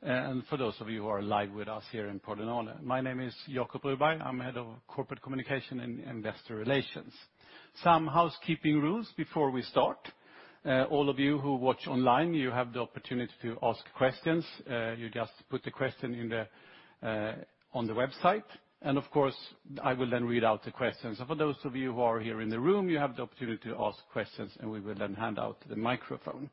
For those of you who are live with us here in Pordenone, my name is Jacob Broberg. I'm Head of Corporate Communication and Investor Relations. Some housekeeping rules before we start. All of you who watch online, you have the opportunity to ask questions. You just put the question in the on the website, and of course, I will then read out the questions. For those of you who are here in the room, you have the opportunity to ask questions, and we will then hand out the microphone.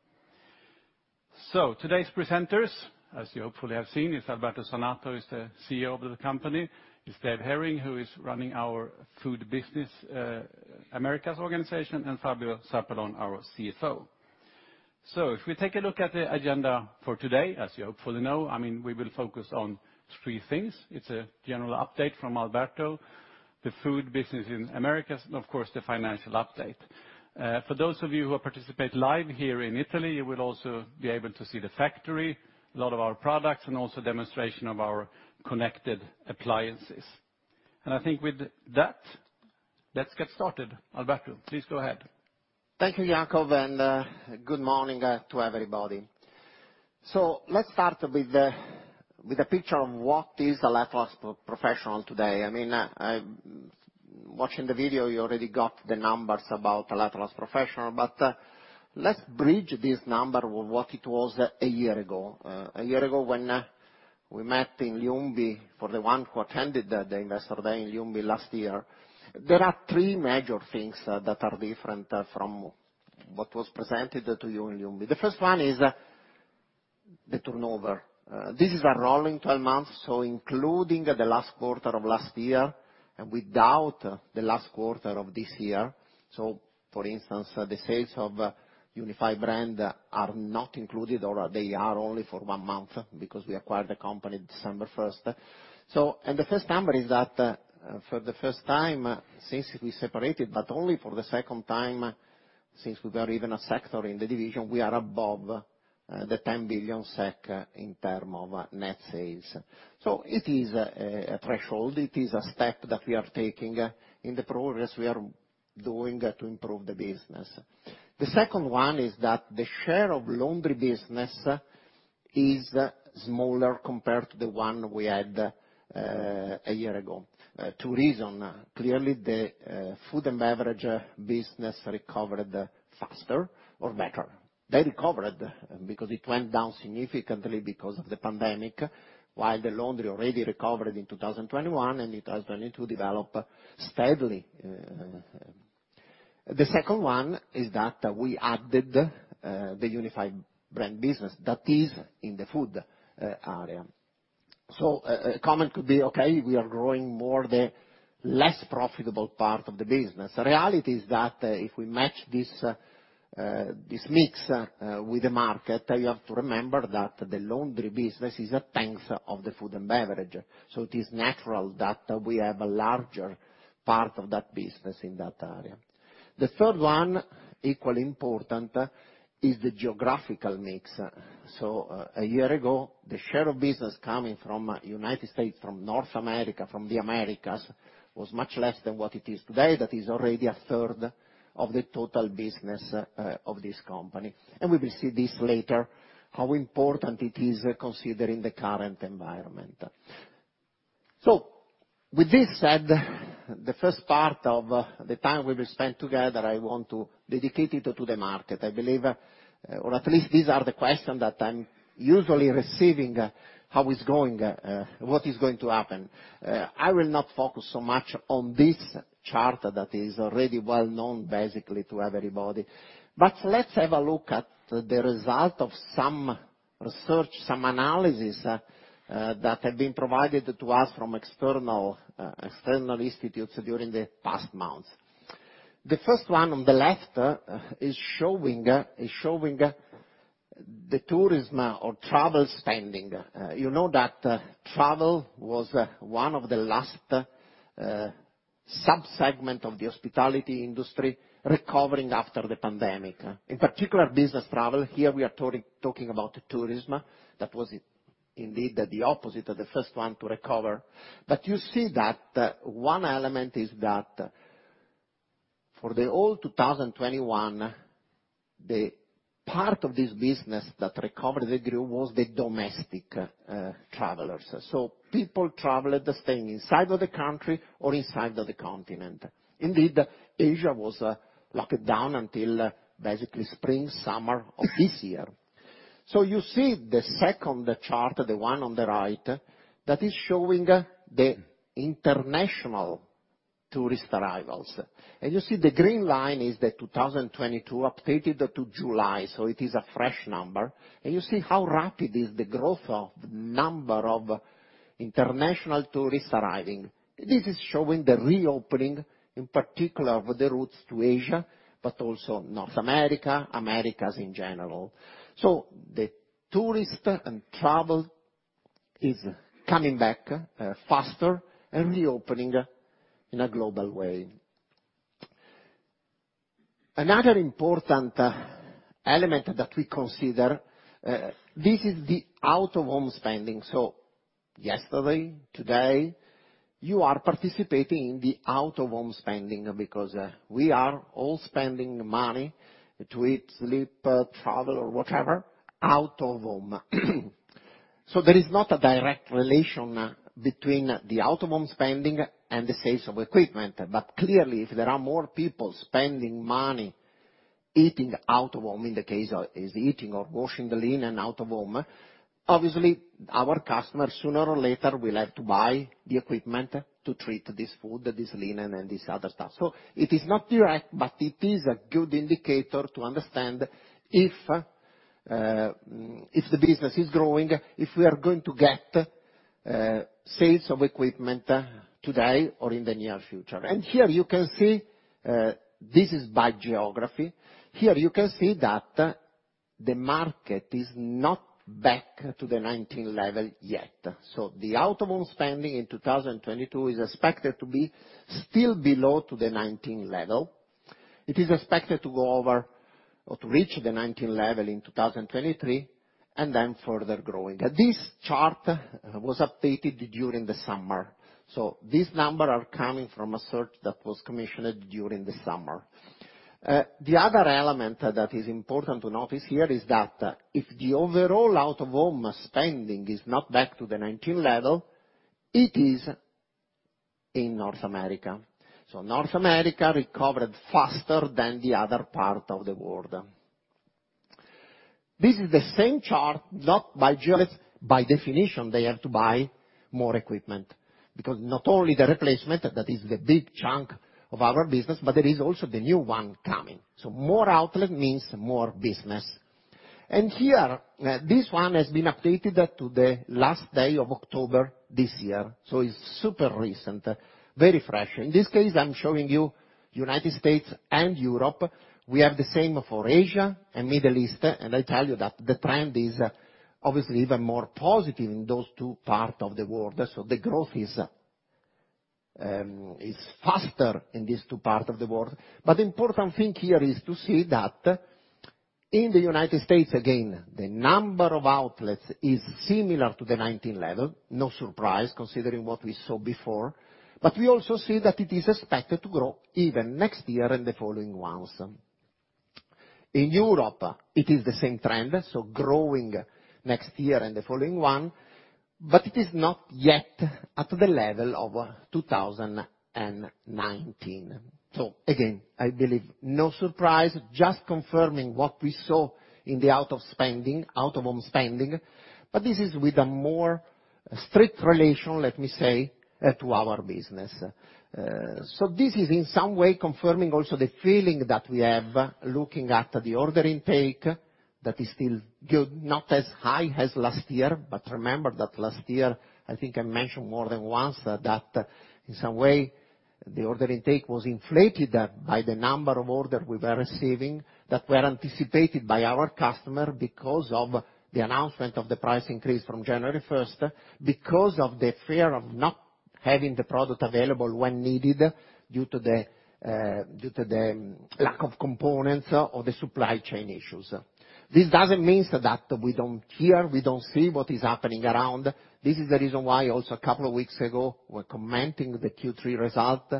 Today's presenters, as you hopefully have seen, is Alberto Zanata, the CEO of the company. Dave Herring is running our Food Business, Americas organization. Fabio Zarpellon is our CFO. If we take a look at the agenda for today, as you hopefully know, I mean, we will focus on three things. It's a general update from Alberto, the food business in Americas, and of course, the financial update. For those of you who participate live here in Italy, you will also be able to see the factory, a lot of our products, and also demonstration of our connected appliances. I think with that, let's get started. Alberto, please go ahead. Thank you, Jacob, and good morning to everybody. Let's start with the picture of what is Electrolux Professional today. I mean, watching the video, you already got the numbers about Electrolux Professional, but let's bridge this number with what it was a year ago. A year ago, when we met in Ljungby, for the one who attended the investor day in Ljungby last year, there are three major things that are different from what was presented to you in Ljungby. The first one is the turnover. This is a rolling 12 months, including the last quarter of last year and without the last quarter of this year. For instance, the sales of Unified Brands are not included or they are only for one month because we acquired the company December first. The first number is that, for the first time since we separated, but only for the second time since we were even a sector in the division, we are above the 10 billion SEK in terms of net sales. It is a threshold, it is a step that we are taking in the progress we are doing to improve the business. The second one is that the share of laundry business is smaller compared to the one we had, a year ago. Two reasons. Clearly, the food and beverage business recovered faster or better. They recovered because it went down significantly because of the pandemic, while the laundry already recovered in 2021, and it has continued to develop steadily. The second one is that we added the Unified Brands business that is in the food area. A comment could be, okay, we are growing more the less profitable part of the business. The reality is that if we match this mix with the market, you have to remember that the laundry business is a chunk of the food and beverage. It is natural that we have a larger part of that business in that area. The third one, equally important, is the geographical mix. A year ago, the share of business coming from United States, from North America, from the Americas, was much less than what it is today. That is already a third of the total business of this company. We will see this later, how important it is considering the current environment. With this said, the first part of the time we will spend together, I want to dedicate it to the market. I believe, or at least these are the questions that I'm usually receiving, how is going, what is going to happen. I will not focus so much on this chart that is already well-known basically to everybody. Let's have a look at the result of some research, some analysis, that have been provided to us from external institutes during the past months. The first one on the left is showing the tourism or travel spending. You know that travel was one of the last, sub-segment of the hospitality industry recovering after the pandemic. In particular business travel, here we are talking about tourism. That was indeed the opposite of the first one to recover. You see that one element is that for all 2021, the part of this business that recovered the group was the domestic travelers. People traveled staying inside of the country or inside of the continent. Indeed, Asia was locked down until basically spring, summer of this year. You see the second chart, the one on the right, that is showing the international tourist arrivals. You see the green line is the 2022 updated to July. It is a fresh number. You see how rapid is the growth of the number of international tourists arriving. This is showing the reopening, in particular of the routes to Asia, but also North America, the Americas in general. The tourism and travel is coming back faster and reopening in a global way. Another important element that we consider, this is the out-of-home spending. Yesterday, today, you are participating in the out-of-home spending because we are all spending money to eat, sleep, travel or whatever out of home. There is not a direct relation between the out-of-home spending and the sales of equipment. But clearly, if there are more people spending money eating out of home, in the case of eating or washing the linen out of home, obviously our customers sooner or later will have to buy the equipment to treat this food, this linen, and this other stuff. It is not direct, but it is a good indicator to understand if the business is growing, if we are going to get sales of equipment today or in the near future. Here you can see, this is by geography. Here you can see that the market is not back to the 2019 level yet. The out-of-home spending in 2022 is expected to be still below the 2019 level. It is expected to go over or to reach the 2019 level in 2023, and then further growing. This chart was updated during the summer. These numbers are coming from a search that was commissioned during the summer. The other element that is important to notice here is that if the overall out-of-home spending is not back to the 2019 level, it is in North America. North America recovered faster than the other part of the world. This is the same chart. By definition, they have to buy more equipment because not only the replacement, that is the big chunk of our business, but there is also the new one coming. More outlet means more business. Here, this one has been updated to the last day of October this year. It's super recent, very fresh. In this case, I'm showing you United States and Europe. We have the same for Asia and Middle East. I tell you that the trend is obviously even more positive in those two parts of the world. The growth is faster in these two parts of the world. The important thing here is to see that in the United States, again, the number of outlets is similar to the 2019 level. No surprise considering what we saw before. We also see that it is expected to grow even next year and the following ones. In Europe it is the same trend, so growing next year and the following one, but it is not yet at the level of 2019. Again, I believe no surprise, just confirming what we saw in the out-of-spending, out-of-home spending, but this is with a more strict relation, let me say, to our business. This is in some way confirming also the feeling that we have looking at the order intake that is still good. Not as high as last year, but remember that last year, I think I mentioned more than once, that in some way the order intake was inflated by the number of order we were receiving that were anticipated by our customer because of the announcement of the price increase from January first, because of the fear of not having the product available when needed due to the lack of components or the supply chain issues. This doesn't mean that we don't hear, we don't see what is happening around. This is the reason why also a couple of weeks ago we're commenting the Q3 result.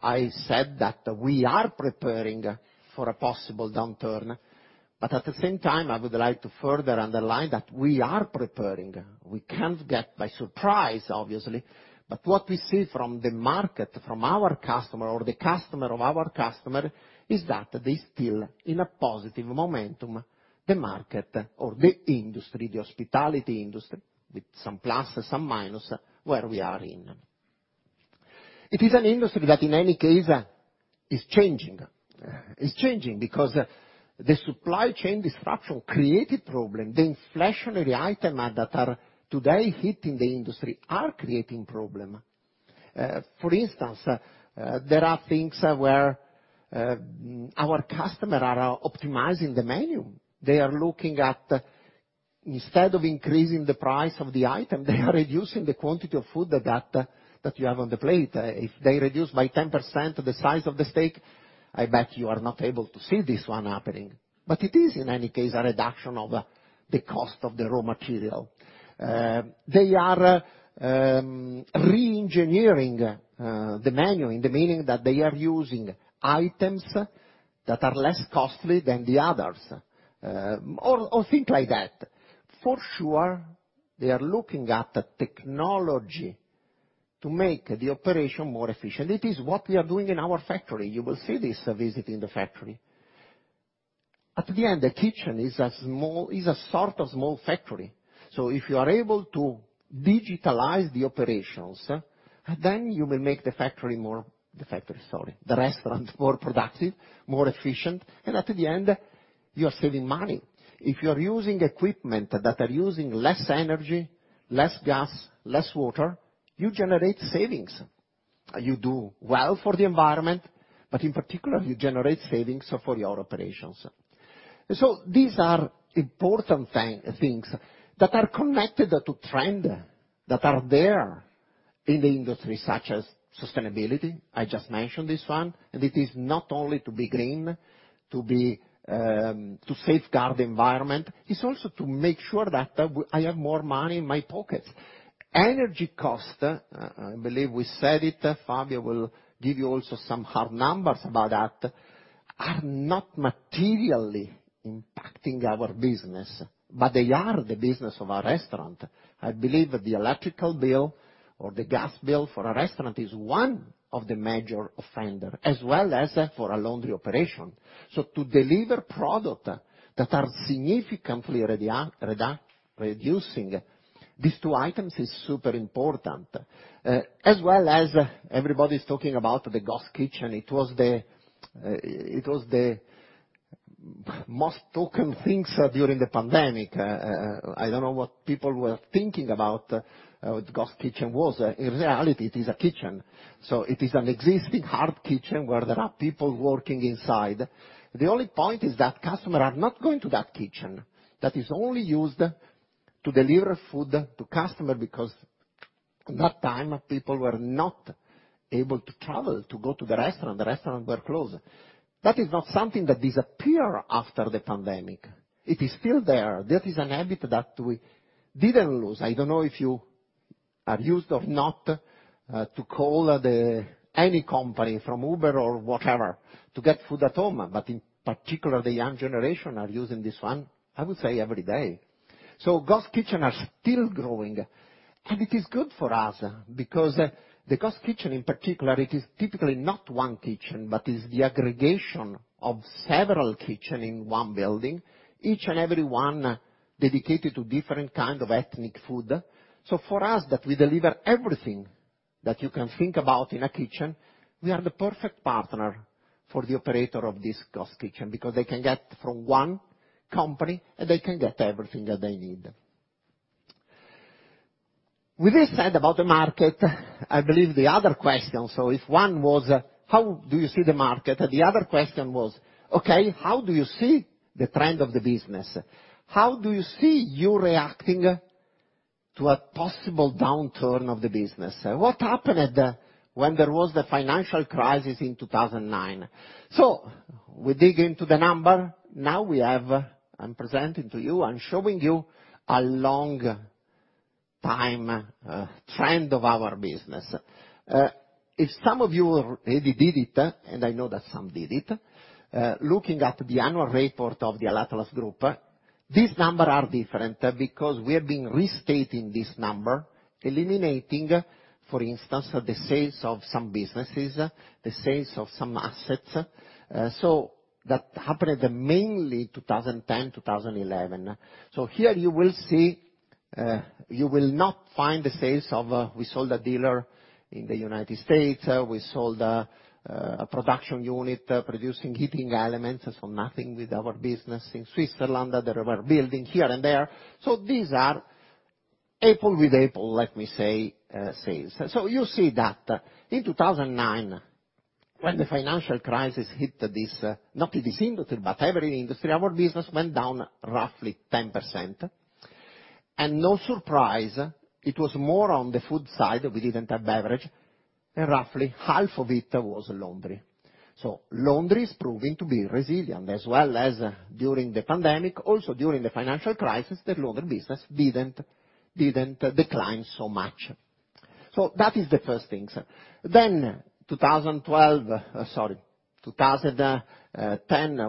I said that we are preparing for a possible downturn, but at the same time, I would like to further underline that we are preparing. We can't get by surprise obviously, but what we see from the market, from our customer or the customer of our customer is that they still in a positive momentum, the market or the industry, the hospitality industry with some plus, some minus where we are in. It is an industry that in any case is changing because the supply chain disruption created problem. The inflationary item that are today hitting the industry are creating problem. For instance, there are things where our customer are optimizing the menu. They are looking at instead of increasing the price of the item, they are reducing the quantity of food that you have on the plate. If they reduce by 10% the size of the steak, I bet you are not able to see this one happening. It is in any case a reduction of the cost of the raw material. They are re-engineering the menu in the meaning that they are using items that are less costly than the others, or things like that. For sure, they are looking at the technology to make the operation more efficient. It is what we are doing in our factory. You will see this visiting the factory. At the end, the kitchen is a sort of small factory. If you are able to digitalize the operations, then you will make the restaurant more productive, more efficient, and at the end you are saving money. If you are using equipment that are using less energy, less gas, less water, you generate savings. You do well for the environment, but in particular you generate savings for your operations. These are important things that are connected to trends that are there in the industry such as sustainability. I just mentioned this one, and it is not only to be green, to safeguard the environment. It's also to make sure that I have more money in my pocket. Energy cost, I believe we said it. Fabio will give you also some hard numbers about that, are not materially impacting our business, but they are the business of a restaurant. I believe that the electrical bill or the gas bill for a restaurant is one of the major offender, as well as for a laundry operation. To deliver product that are significantly reducing these two items is super important. As well as everybody's talking about the ghost kitchen. It was the most talked-about things during the pandemic. I don't know what people were thinking about what ghost kitchen was. In reality, it is a kitchen, so it is an existing hard kitchen where there are people working inside. The only point is that customers are not going to that kitchen. That is only used to deliver food to customers because that time people were not able to travel to go to the restaurant, the restaurants were closed. That is not something that disappears after the pandemic. It is still there. That is a habit that we didn't lose. I don't know if you are used or not to call the... Any company from Uber or whatever to get food at home, but in particular, the young generation are using this one, I would say every day. Ghost kitchen are still growing, and it is good for us because the ghost kitchen in particular, it is typically not one kitchen, but is the aggregation of several kitchen in one building, each and every one dedicated to different kind of ethnic food. For us that we deliver everything that you can think about in a kitchen, we are the perfect partner for the operator of this ghost kitchen because they can get from one company, and they can get everything that they need. With this said about the market, I believe the other question, so if one was, how do you see the market? The other question was, okay, how do you see the trend of the business? How do you see you reacting to a possible downturn of the business? What happened when there was the financial crisis in 2009? We dig into the numbers. Now I'm presenting to you, I'm showing you a long-term trend of our business. If some of you already did it, and I know that some did it, looking at the annual report of the Electrolux Group, these numbers are different because we have been restating these numbers, eliminating, for instance, the sales of some businesses, the sales of some assets, that happened mainly 2010, 2011. Here you will see, you will not find the sales of, we sold a dealer in the United States. We sold a production unit producing heating elements, so nothing with our business in Switzerland. There were buildings here and there. These are apples to apples, let me say, sales. You see that in 2009, when the financial crisis hit this, not this industry, but every industry, our business went down roughly 10%. No surprise, it was more on the food side, we didn't have beverage, and roughly half of it was laundry. Laundry is proving to be resilient as well as during the pandemic, also during the financial crisis, the laundry business didn't decline so much. That is the first thing. 2010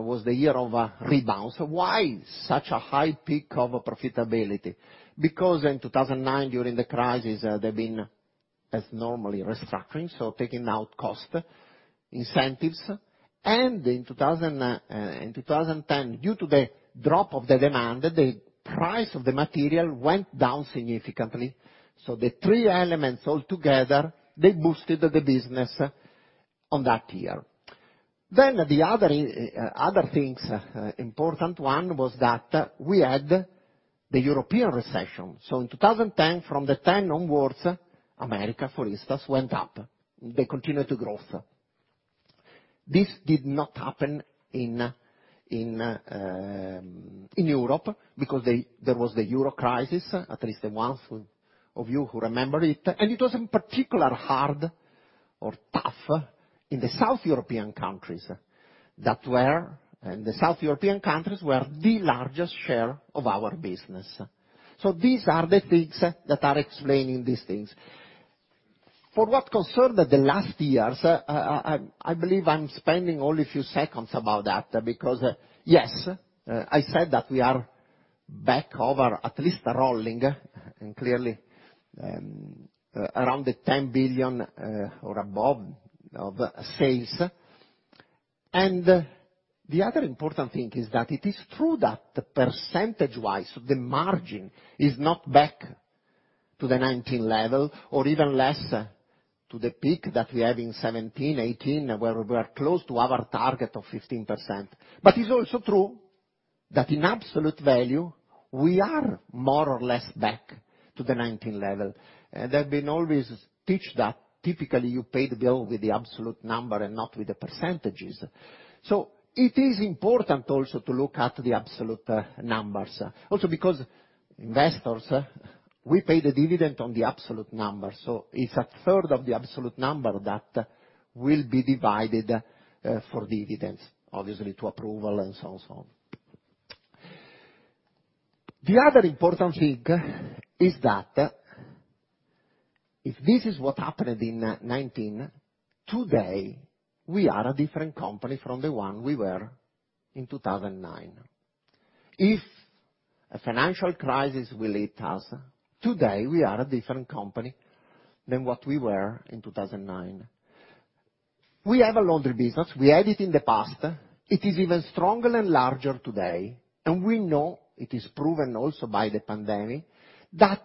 was the year of a rebound. Why such a high peak of profitability? Because in 2009, during the crisis, they've been as normally restructuring, so taking out cost, incentives. In 2010, due to the drop of the demand, the price of the material went down significantly. The three elements all together, they boosted the business on that year. The other things, important one was that we had the European recession. In 2010, from 2010 onwards, America, for instance, went up. They continued to grow. This did not happen in Europe because there was the Euro crisis, at least those of you who remember it, and it was in particular hard or tough in the South European countries that were, and the South European countries were the largest share of our business. These are the things that are explaining these things. For what concerned the last years, I believe I'm spending only a few seconds about that because I said that we are back over, at least rolling and clearly, around the 10 billion or above of sales. The other important thing is that it is true that percentage-wise, the margin is not back to the 2019 level or even less to the peak that we had in 2017, 2018, where we were close to our target of 15%. It's also true that in absolute value, we are more or less back to the 2019 level. I've been always taught that typically you pay the bill with the absolute number and not with the percentages. It is important also to look at the absolute numbers also because investors. We pay the dividend on the absolute number, so it's a third of the absolute number that will be divided for dividends, obviously subject to approval and so on and so on. The other important thing is that if this is what happened in 2019, today we are a different company from the one we were in 2009. If a financial crisis will hit us, today we are a different company than what we were in 2009. We have a laundry business. We had it in the past. It is even stronger and larger today. We know it is proven also by the pandemic that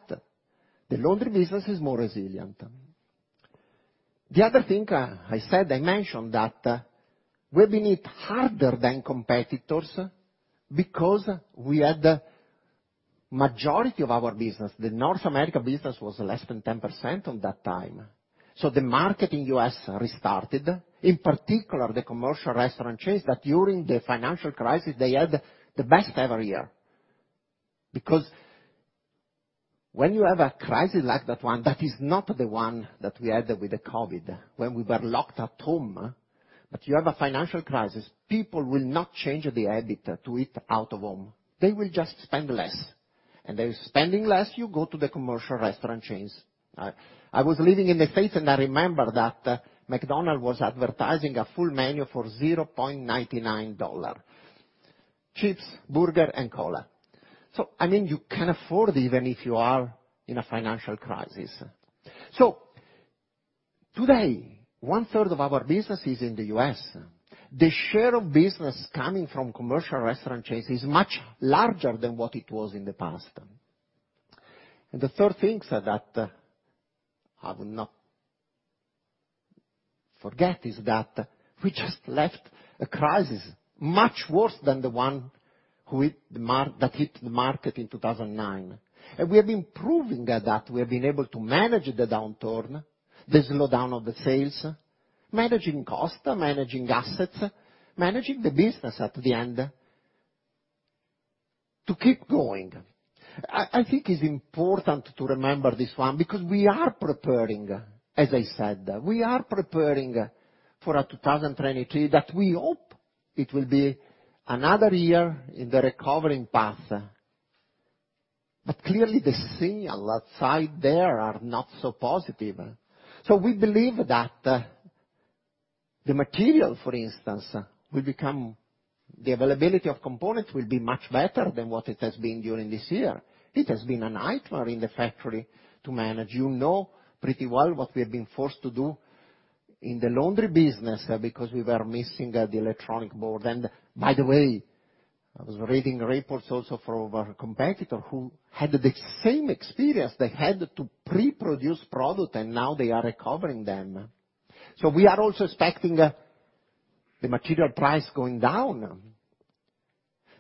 the laundry business is more resilient. The other thing that I said, I mentioned that we've been hit harder than competitors because we had majority of our business. The North America business was less than 10% at that time. The market in U.S. restarted, in particular the commercial restaurant chains that during the financial crisis, they had the best year ever. When you have a crisis like that one, that is not the one that we had with the COVID when we were locked at home, but you have a financial crisis, people will not change the habit to eat out of home. They will just spend less. They're spending less, you go to the commercial restaurant chains. I was living in the States and I remember that McDonald's was advertising a full menu for $0.99. Chips, burger and cola. I mean, you can afford even if you are in a financial crisis. Today, one-third of our business is in the U.S. The share of business coming from commercial restaurant chains is much larger than what it was in the past. The third things that I will not forget is that we just left a crisis much worse than the one that hit the market in 2009. We have been proving that, we have been able to manage the downturn, the slowdown of the sales, managing cost, managing assets, managing the business at the end to keep going. I think it's important to remember this one because we are preparing, as I said, we are preparing for a 2023 that we hope it will be another year in the recovering path. Clearly the signals out there are not so positive. We believe the availability of components will be much better than what it has been during this year. It has been a nightmare in the factory to manage. You know pretty well what we've been forced to do in the laundry business because we were missing the electronic board. By the way, I was reading reports, also from our competitors who had the same experience. They had to pre-produce product and now they are recovering them. We are also expecting the material price going down.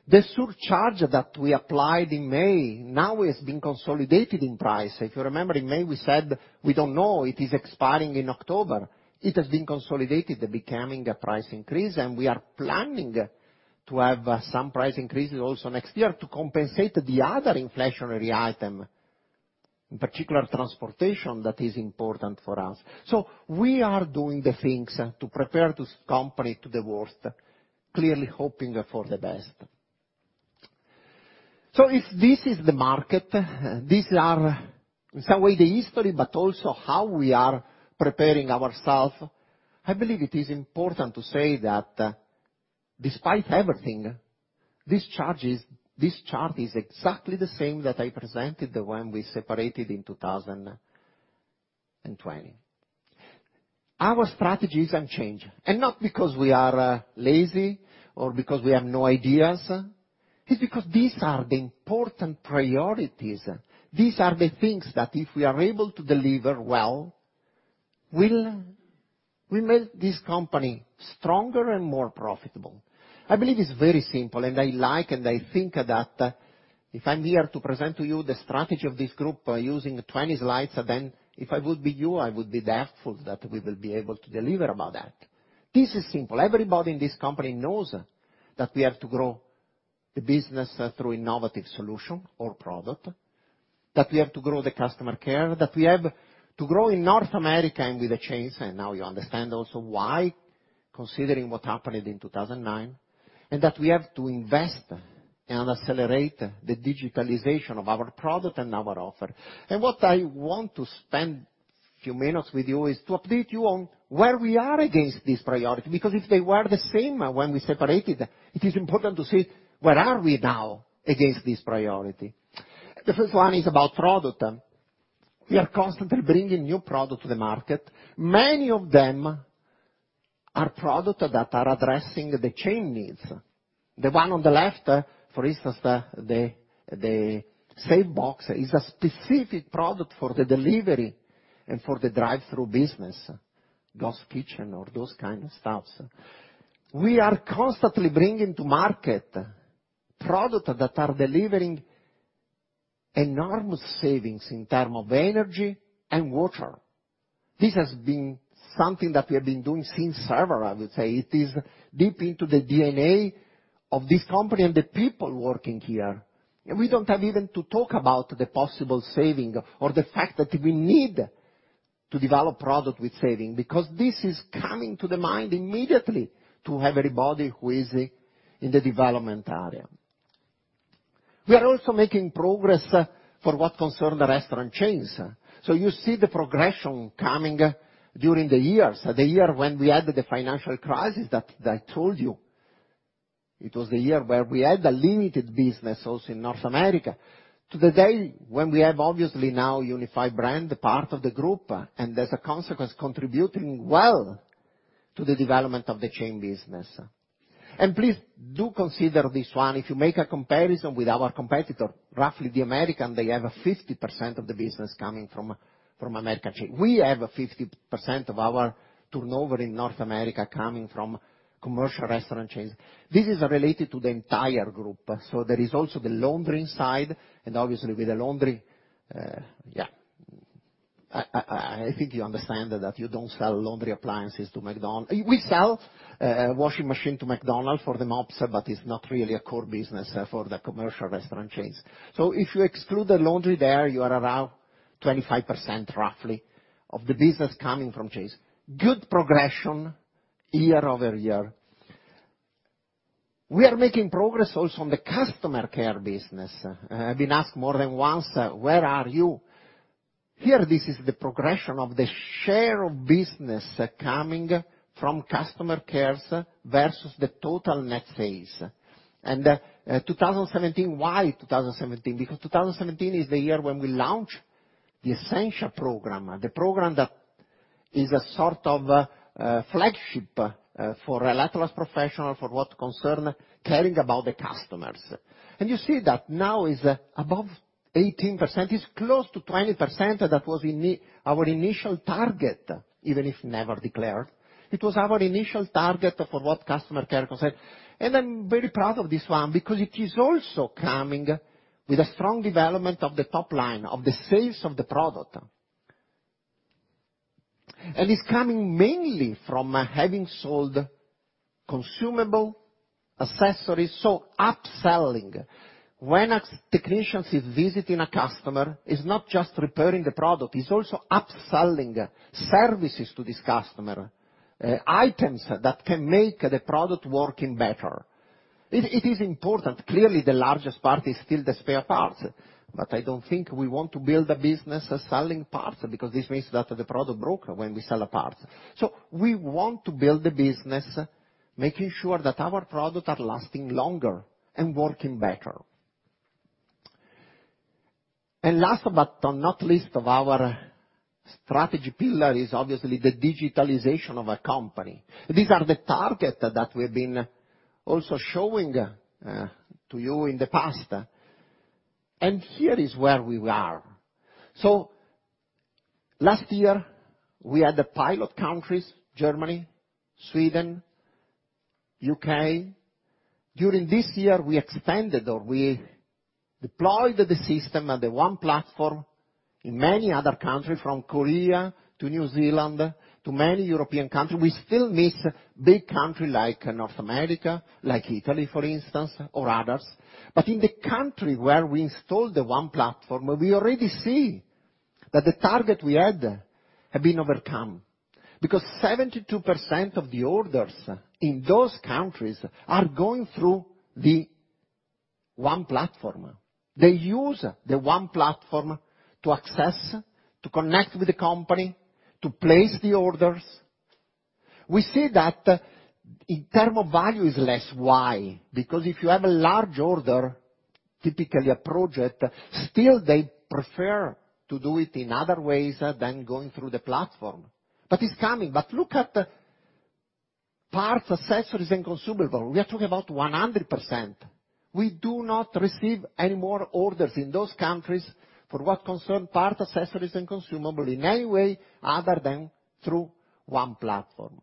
The surcharge that we applied in May now has been consolidated in price. If you remember in May, we said, we don't know, it is expiring in October. It has been consolidated, becoming a price increase, and we are planning to have some price increases also next year to compensate the other inflationary item, in particular transportation that is important for us. We are doing the things to prepare this company to the worst, clearly hoping for the best. If this is the market, these are in some way the history, but also how we are preparing ourselves. I believe it is important to say that despite everything, this chart is exactly the same that I presented when we separated in 2020. Our strategies unchanged, and not because we are lazy or because we have no ideas. It's because these are the important priorities. These are the things that if we are able to deliver well, we'll make this company stronger and more profitable. I believe it's very simple and I like, and I think that if I'm here to present to you the strategy of this group using 20 slides, then if I would be you, I would be doubtful that we will be able to deliver about that. This is simple. Everybody in this company knows that we have to grow the business through innovative solution or product, that we have to grow the customer care, that we have to grow in North America and with the chains, and now you understand also why considering what happened in 2009. That we have to invest and accelerate the digitalization of our product and our offer. What I want to spend few minutes with you is to update you on where we are against this priority, because if they were the same when we separated, it is important to see where are we now against this priority. The first one is about product. We are constantly bringing new product to the market. Many of them are product that are addressing the chain needs. The one on the left, for instance, the SafeBox is a specific product for the delivery and for the drive-through business, ghost kitchen or those kind of stuffs. We are constantly bringing to market product that are delivering enormous savings in term of energy and water. This has been something that we have been doing since ever, I would say. It is deep into the DNA of this company and the people working here. We don't have even to talk about the possible savings or the fact that we need to develop products with savings, because this is coming to the mind immediately to everybody who is in the development area. We are also making progress for what concerns the restaurant chains. You see the progression coming during the years. The year when we had the financial crisis that I told you, it was the year where we had a limited business also in North America, to the day when we have obviously now Unified Brands, the part of the group, and as a consequence, contributing well to the development of the chain business. Please do consider this one. If you make a comparison with our competitor, roughly the American, they have 50% of the business coming from American chain. We have 50% of our turnover in North America coming from commercial restaurant chains. This is related to the entire group. There is also the laundry side, and obviously, with the laundry, I think you understand that you don't sell laundry appliances to McDonald's. We sell washing machine to McDonald's for the mops, but it's not really a core business for the commercial restaurant chains. If you exclude the laundry there, you are around 25%, roughly, of the business coming from chains. Good progression year-over-year. We are making progress also on the customer care business. I've been asked more than once, where are you? Here, this is the progression of the share of business coming from customer care versus the total net sales. 2017, why 2017? Because 2017 is the year when we launched the Essentia program, the program that is a sort of flagship for Electrolux Professional for what concern caring about the customers. You see that now is above 18%. It's close to 20%. That was our initial target, even if never declared. It was our initial target for what customer care concern. I'm very proud of this one because it is also coming with a strong development of the top line, of the sales of the product. It's coming mainly from having sold consumable accessories, so upselling. When a technicians is visiting a customer, is not just repairing the product, is also upselling services to this customer, items that can make the product working better. It is important. Clearly, the largest part is still the spare parts, but I don't think we want to build a business selling parts because this means that the product broke when we sell a part. We want to build a business, making sure that our products are lasting longer and working better. Last but not least of our strategy pillar is obviously the digitalization of a company. These are the targets that we've been also showing to you in the past. Here is where we are. Last year, we had the pilot countries, Germany, Sweden, UK. During this year, we expanded or we deployed the system and the OnE platform in many other countries from Korea to New Zealand to many European countries. We still miss big country like North America, like Italy, for instance, or others. In the country where we installed the OnE platform, we already see that the target we had have been overcome because 72% of the orders in those countries are going through the OnE platform. They use the OnE platform to access, to connect with the company, to place the orders. We see that in terms of value is less. Why? Because if you have a large order, typically a project, still they prefer to do it in other ways than going through the platform. It's coming. Look at parts, accessories, and consumables. We are talking about 100%. We do not receive any more orders in those countries for what concerns parts, accessories, and consumables in any way other than through OnE platform.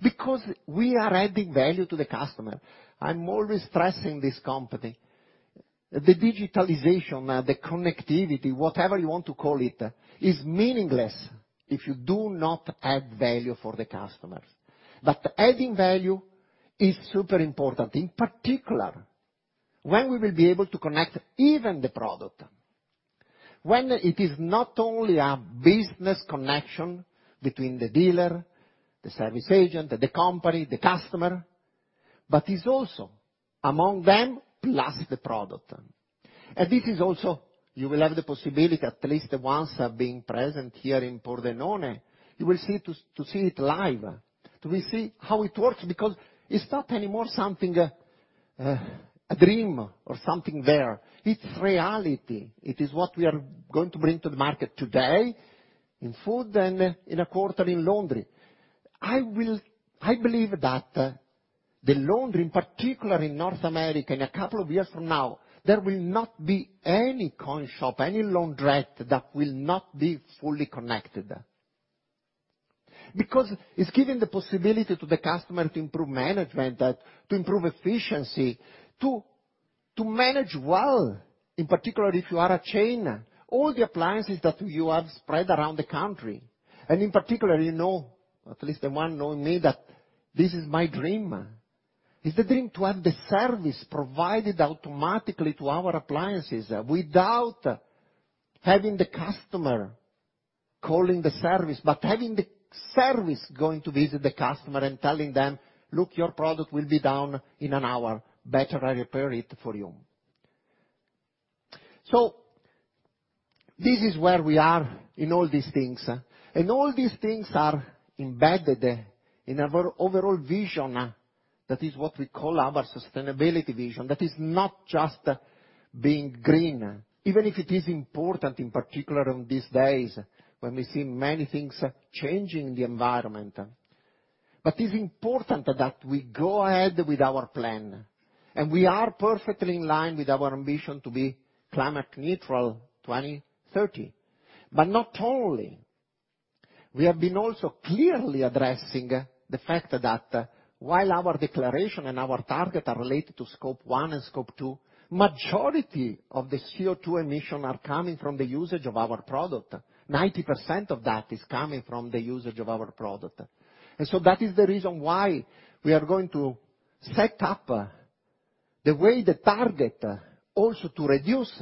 Because we are adding value to the customer. I'm always stressing this company. The digitalization, the connectivity, whatever you want to call it, is meaningless if you do not add value for the customers. Adding value is super important, in particular, when we will be able to connect even the product. When it is not only a business connection between the dealer, the service agent, the company, the customer, but is also among them, plus the product. This is also, you will have the possibility, at least the ones being present here in Pordenone, you will see to see it live, to see how it works, because it's not anymore something, a dream or something there. It's reality. It is what we are going to bring to the market today in food and in beverage in laundry. I believe that the laundry, in particular in North America, in a couple of years from now, there will not be any coin shop, any laundrette that will not be fully connected. Because it's giving the possibility to the customer to improve management, to improve efficiency, to manage well, in particular, if you are a chain, all the appliances that you have spread around the country. In particular, you know, at least the one knowing me, that this is my dream. It's the dream to have the service provided automatically to our appliances without having the customer calling the service, but having the service going to visit the customer and telling them, "Look, your product will be down in an hour. Better I repair it for you." This is where we are in all these things, and all these things are embedded in our overall vision. That is what we call our sustainability vision. That is not just being green, even if it is important, in particular on these days, when we see many things changing the environment. It's important that we go ahead with our plan, and we are perfectly in line with our ambition to be climate neutral 2030. Not only, we have been also clearly addressing the fact that while our declaration and our target are related to scope 1 and scope 2, majority of the CO2 emission are coming from the usage of our product. 90% of that is coming from the usage of our product. That is the reason why we are going to set up the way the target also to reduce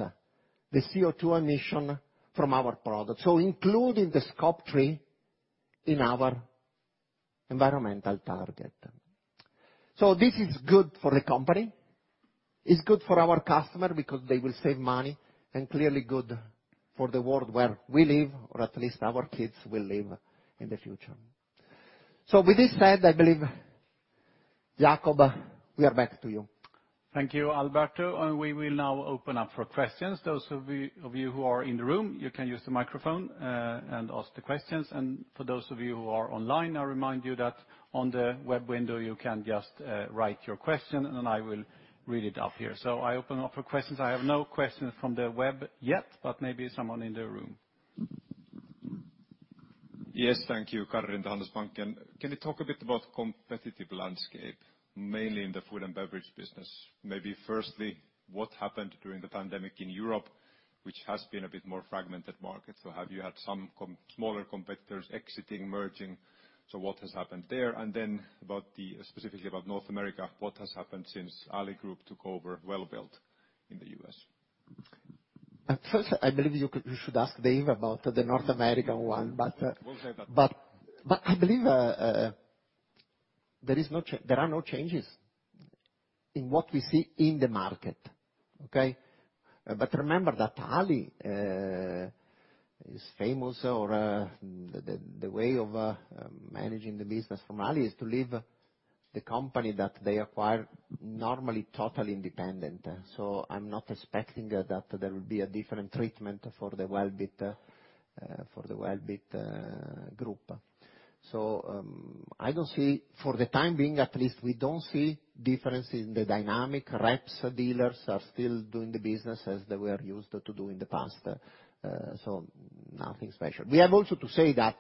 the CO2 emission from our product, so including the scope 3 in our environmental target. This is good for the company, it's good for our customer because they will save money, and clearly good for the world where we live, or at least our kids will live in the future. With this said, I believe, Jacob, we are back to you. Thank you, Alberto. We will now open up for questions. Those of you who are in the room, you can use the microphone and ask the questions. For those of you who are online, I remind you that on the web window, you can just write your question, and then I will read it up here. I open up for questions. I have no question from the web yet, but maybe someone in the room. Yes. Thank you. Karin, Handelsbanken. Can you talk a bit about competitive landscape, mainly in the food and beverage business? Maybe firstly, what happened during the pandemic in Europe, which has been a bit more fragmented market. Have you had some smaller competitors exiting, merging? What has happened there? Specifically about North America, what has happened since Ali Group took over Welbilt in the U.S.? At first, I believe you could, you should ask Dave about the North American one. We'll save that. I believe there are no changes in what we see in the market. Okay? Remember that Ali is famous for the way of managing the business from Ali is to leave the company that they acquire normally totally independent. I'm not expecting that there will be a different treatment for the Welbilt group. I don't see, for the time being, at least, we don't see difference in the dynamic. Reps, dealers are still doing the business as they were used to do in the past. So nothing special. We have also to say that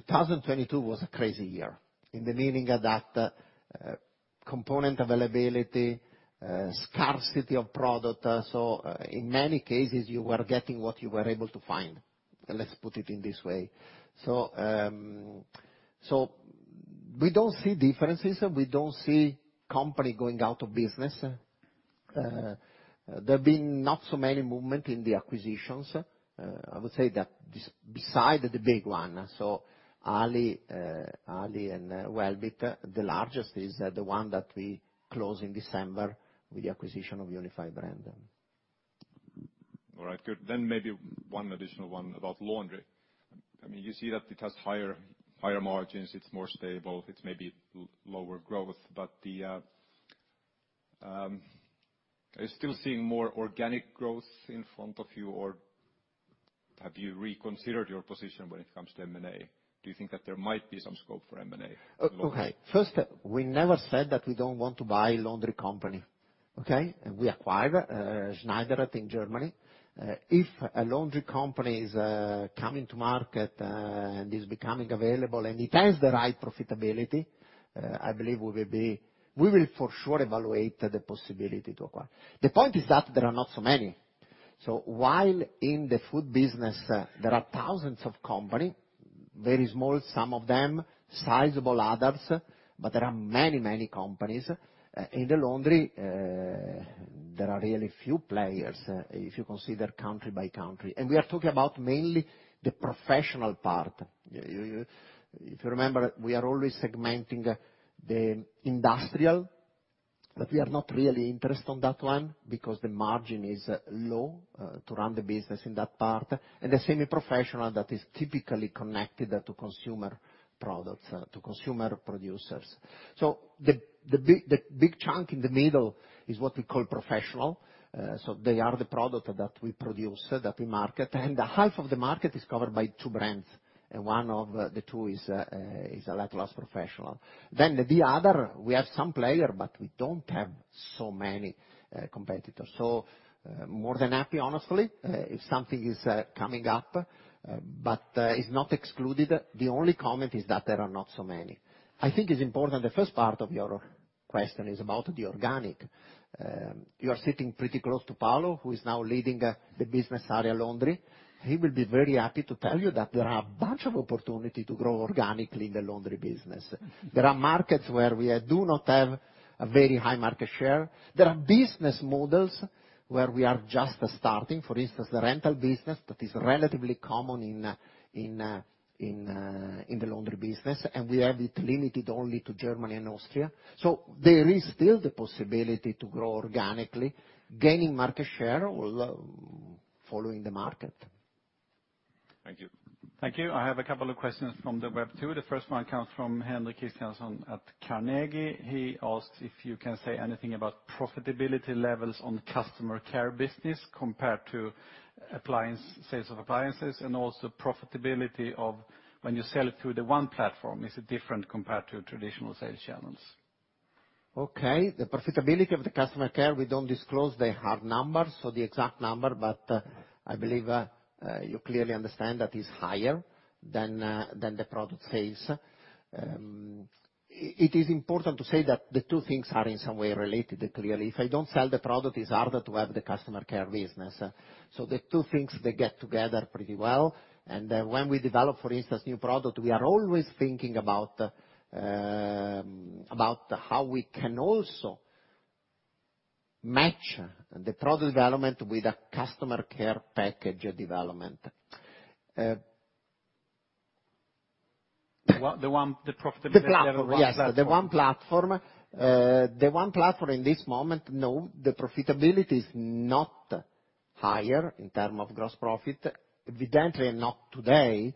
2022 was a crazy year in the meaning that component availability, scarcity of product. In many cases, you were getting what you were able to find. Let's put it in this way. We don't see differences. We don't see company going out of business. There have been not so many movement in the acquisitions. I would say that beside the big one, so Ali and Welbilt, the largest is the one that we close in December with the acquisition of Unified Brands. All right, good. Maybe one additional one about laundry. I mean, you see that it has higher margins, it's more stable, it's maybe lower growth. Are you still seeing more organic growth in front of you, or have you reconsidered your position when it comes to M&A? Do you think that there might be some scope for M&A in laundry? Okay. First, we never said that we don't want to buy laundry company. Okay? We acquired Schneidereit in Germany. If a laundry company is coming to market and is becoming available, and it has the right profitability, I believe we will for sure evaluate the possibility to acquire. The point is that there are not so many. While in the food business, there are thousands of company, very small, some of them, sizable others, but there are many, many companies. In the laundry, there are really few players, if you consider country by country, and we are talking about mainly the professional part. If you remember, we are always segmenting the industrial, but we are not really interested on that one because the margin is low to run the business in that part. The semi-professional, that is typically connected to consumer products, to consumer producers. The big chunk in the middle is what we call professional. They are the product that we produce, that we market, and half of the market is covered by two brands. One of the two is Electrolux Professional. Then the other, Zanussi Professional, but we don't have so many competitors. More than happy, honestly, if something is coming up, but it's not excluded. The only comment is that there are not so many. I think it's important, the first part of your question is about the organic. You are sitting pretty close to Paolo, who is now leading the business area laundry. He will be very happy to tell you that there are a bunch of opportunity to grow organically in the laundry business. There are markets where we do not have a very high market share. There are business models where we are just starting. For instance, the rental business that is relatively common in the laundry business, and we have it limited only to Germany and Austria. There is still the possibility to grow organically, gaining market share while following the market. Thank you. Thank you. I have a couple of questions from the web too. The first one comes from Henrik Christianson at Carnegie. He asks if you can say anything about profitability levels on customer care business compared to appliance, sales of appliances, and also profitability of when you sell it through the OnE platform, is it different compared to traditional sales channels? Okay. The profitability of the customer care, we don't disclose the hard numbers, so the exact number, but I believe you clearly understand that it's higher than the product sales. It is important to say that the two things are in some way related clearly. If I don't sell the product, it's harder to have the customer care business. The two things, they get together pretty well. When we develop, for instance, new product, we are always thinking about how we can also match the product development with a customer care package development. The profitability of the OnE platform. Yes, the OnE platform. The OnE platform in this moment, no, the profitability is not higher in terms of gross profit. Evidently not today,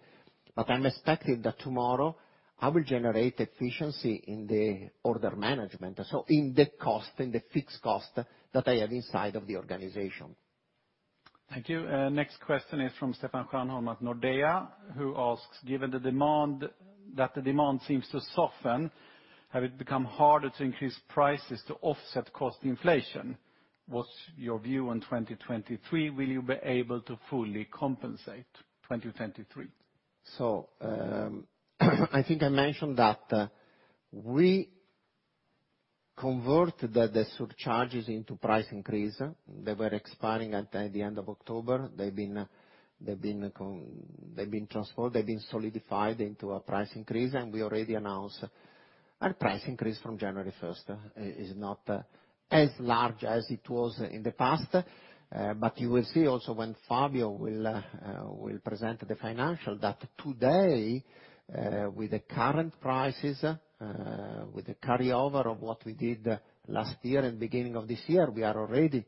but I'm expecting that tomorrow I will generate efficiency in the order management. In the cost, in the fixed cost that I have inside of the organization. Thank you. Next question is from Oscar Stjerngren at Nordea, who asks, given that the demand seems to soften, has it become harder to increase prices to offset cost inflation? What's your view on 2023? Will you be able to fully compensate 2023? I think I mentioned that we converted the surcharges into price increase. They were expiring at the end of October. They've been transferred, they've been solidified into a price increase, and we already announced our price increase from January first. It is not as large as it was in the past, but you will see also when Fabio will present the financials. That today, with the current prices, with the carryover of what we did last year and beginning of this year, we are already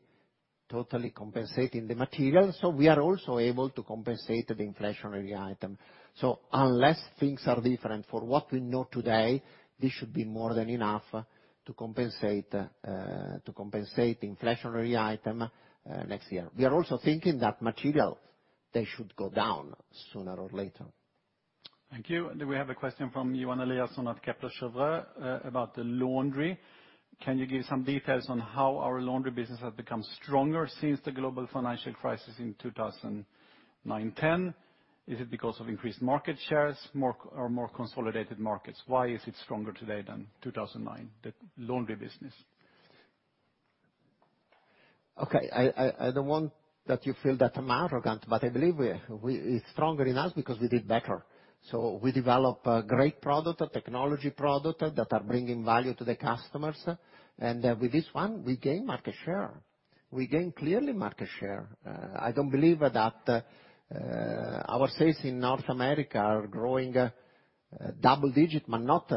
totally compensating the material. We are also able to compensate the inflationary item. Unless things are different, for what we know today, this should be more than enough to compensate the inflationary item next year. We are also thinking that materials, they should go down sooner or later. Thank you. We have a question from Johan Eliason at Kepler Cheuvreux about the laundry. Can you give some details on how our laundry business has become stronger since the global financial crisis in 2009-2010? Is it because of increased market shares, or more consolidated markets? Why is it stronger today than 2009, the laundry business? Okay. I don't want that you feel that I'm arrogant, but I believe it's stronger in us because we did better. We develop a great product, technology product that are bringing value to the customers. With this one, we gain market share. We gain clearly market share. I don't believe that our sales in North America are growing double digit, but not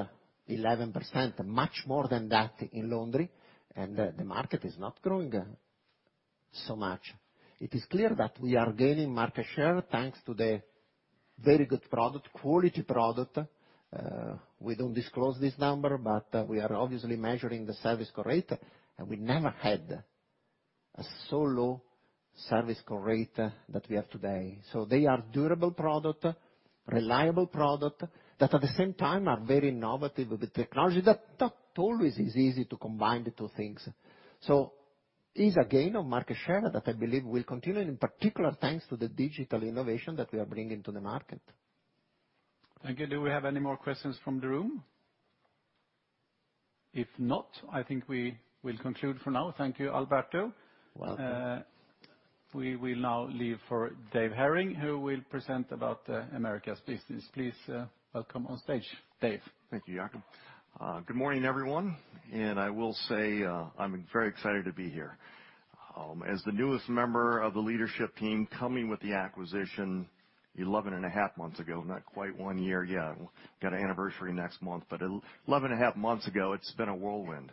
11%, much more than that in laundry, and the market is not growing so much. It is clear that we are gaining market share, thanks to the very good product, quality product. We don't disclose this number, but we are obviously measuring the service call rate, and we never had such a low service call rate that we have today. They are durable product, reliable product that at the same time are very innovative with the technology. That always is easy to combine the two things. It's a gain of market share that I believe will continue, and in particular, thanks to the digital innovation that we are bringing to the market. Thank you. Do we have any more questions from the room? If not, I think we will conclude for now. Thank you, Alberto. Welcome. We will now leave for Dave Herring, who will present about Americas business. Please, welcome on stage, Dave. Thank you, Jacob. Good morning, everyone. I will say, I'm very excited to be here. As the newest member of the leadership team coming with the acquisition 11 and a half months ago, not quite one year yet. Got anniversary next month. 11 and a half months ago, it's been a whirlwind.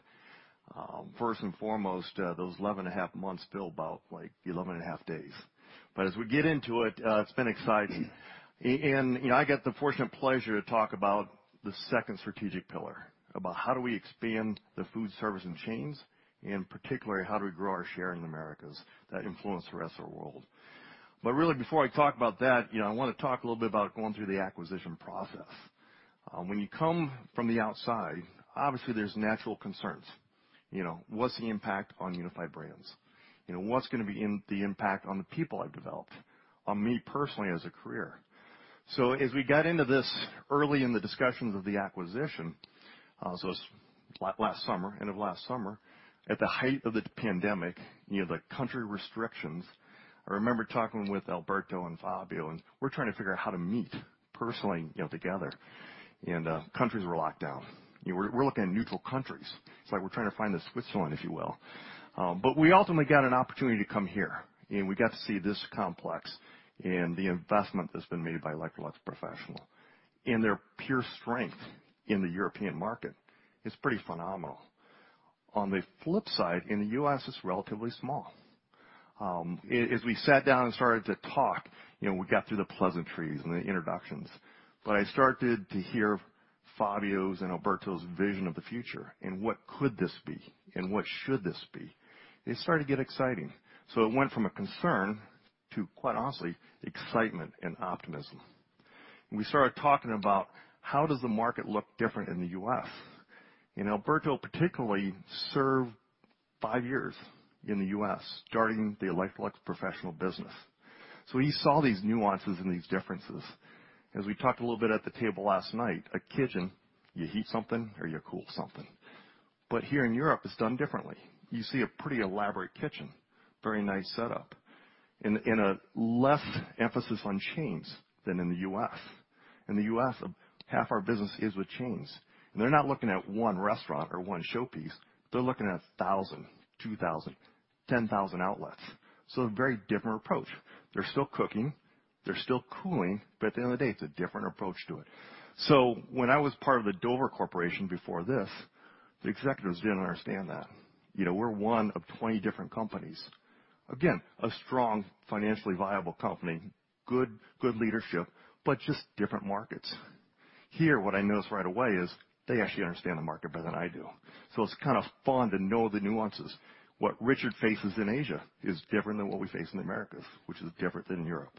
First and foremost, those 11 and a half months feel about like 11 and a half days. As we get into it's been exciting. And, you know, I get the fortunate pleasure to talk about the second strategic pillar, about how do we expand the food service and chains, and particularly, how do we grow our share in Americas that influence the rest of the world. Really before I talk about that, you know, I wanna talk a little bit about going through the acquisition process. When you come from the outside, obviously there's natural concerns. You know, what's the impact on Unified Brands? You know, what's gonna be the impact on the people I've developed, on me personally as a career? As we got into this early in the discussions of the acquisition, it's last summer, end of last summer, at the height of the pandemic, you know, the country restrictions. I remember talking with Alberto and Fabio, and we're trying to figure out how to meet personally, you know, together. Countries were locked down. You know, we're looking at neutral countries. It's like we're trying to find the Switzerland, if you will. We ultimately got an opportunity to come here, and we got to see this complex and the investment that's been made by Electrolux Professional. Their pure strength in the European market is pretty phenomenal. On the flip side, in the U.S., it's relatively small. As we sat down and started to talk, you know, we got through the pleasantries and the introductions, but I started to hear Fabio's and Alberto's vision of the future and what could this be and what should this be. It started to get exciting. It went from a concern to, quite honestly, excitement and optimism. We started talking about how does the market look different in the U.S. Alberto particularly served five years in the U.S., starting the Electrolux Professional business. He saw these nuances and these differences. As we talked a little bit at the table last night, a kitchen, you heat something or you cool something. Here in Europe, it's done differently. You see a pretty elaborate kitchen, very nice setup, and a less emphasis on chains than in the U.S. In the U.S., half our business is with chains. They're not looking at one restaurant or one showpiece, they're looking at 1,000, 2,000, 10,000 outlets. A very different approach. They're still cooking, they're still cooling, but at the end of the day, it's a different approach to it. When I was part of the Dover Corporation before this, the executives didn't understand that. You know, we're one of 20 different companies. Again, a strong, financially viable company, good leadership, but just different markets. Here, what I noticed right away is they actually understand the market better than I do. It's kind of fun to know the nuances. What Richard faces in Asia is different than what we face in the Americas, which is different than Europe.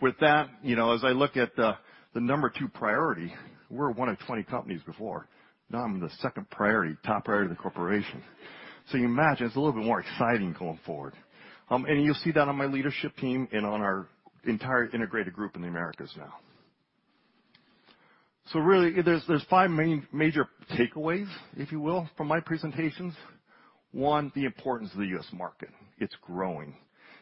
With that, you know, as I look at the number two priority, we're one of 20 companies before. Now I'm the second priority, top priority of the corporation. You can imagine it's a little bit more exciting going forward. And you'll see that on my leadership team and on our entire integrated group in the Americas now. Really, there's five main, major takeaways, if you will, from my presentations. One, the importance of the U.S. market. It's growing.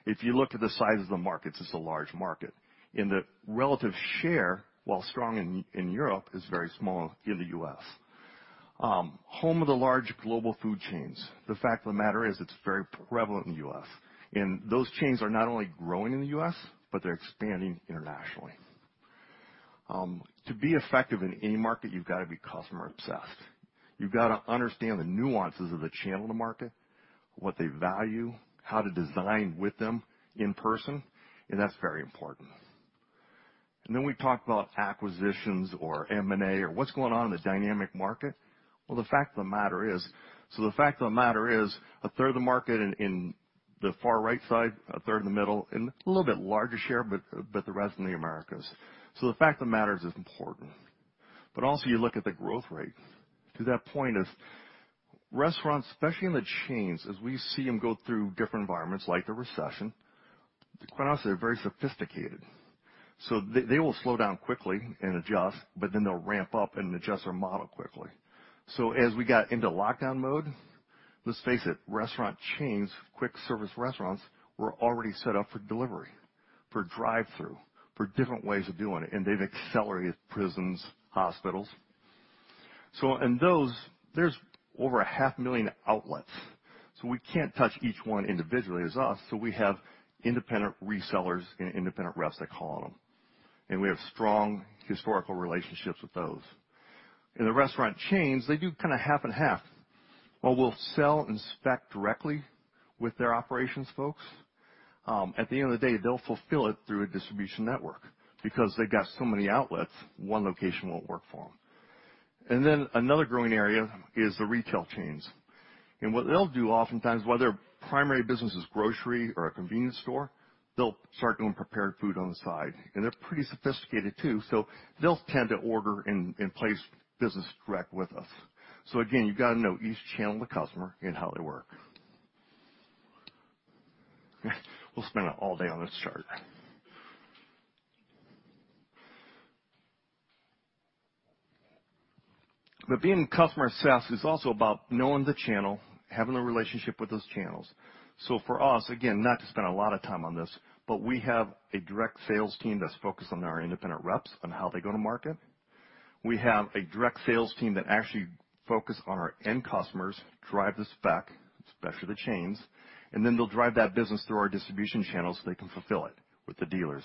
If you look to the size of the markets, it's a large market. In the relative share, while strong in Europe, is very small in the U.S. Home of the large global food chains. The fact of the matter is it's very prevalent in the U.S., and those chains are not only growing in the U.S., but they're expanding internationally. To be effective in any market, you've gotta be customer obsessed. You've gotta understand the nuances of the channel to market, what they value, how to design with them in person, and that's very important. We talked about acquisitions or M&A or what's going on in the dynamic market. Well, the fact of the matter is a third of the market in the far right side, a third in the middle, and a little bit larger share, but the rest in the Americas. The fact of the matter is it's important. Also you look at the growth rate, 'cause that point is restaurants, especially in the chains, as we see them go through different environments like the recession, quite honestly, they're very sophisticated. They will slow down quickly and adjust, but then they'll ramp up and adjust their model quickly. As we got into lockdown mode, let's face it, restaurant chains, quick service restaurants, were already set up for delivery, for drive-thru, for different ways of doing it, and they've accelerated, prisons, hospitals. In those, there's over 500,000 outlets, so we can't touch each one individually as us, so we have independent resellers and independent reps that call on them. We have strong historical relationships with those. In the restaurant chains, they do kinda half and half. While we'll sell and spec directly with their operations folks, at the end of the day, they'll fulfill it through a distribution network because they've got so many outlets, one location won't work for them. Another growing area is the retail chains. What they'll do oftentimes, while their primary business is grocery or a convenience store, they'll start doing prepared food on the side. They're pretty sophisticated too, so they'll tend to order and place business direct with us. Again, you've gotta know each channel of the customer and how they work. We'll spend all day on this chart. Being customer obsessed is also about knowing the channel, having a relationship with those channels. For us, again, not to spend a lot of time on this, but we have a direct sales team that's focused on our independent reps, on how they go to market. We have a direct sales team that actually focus on our end customers, drive the spec, especially the chains, and then they'll drive that business through our distribution channels so they can fulfill it with the dealers.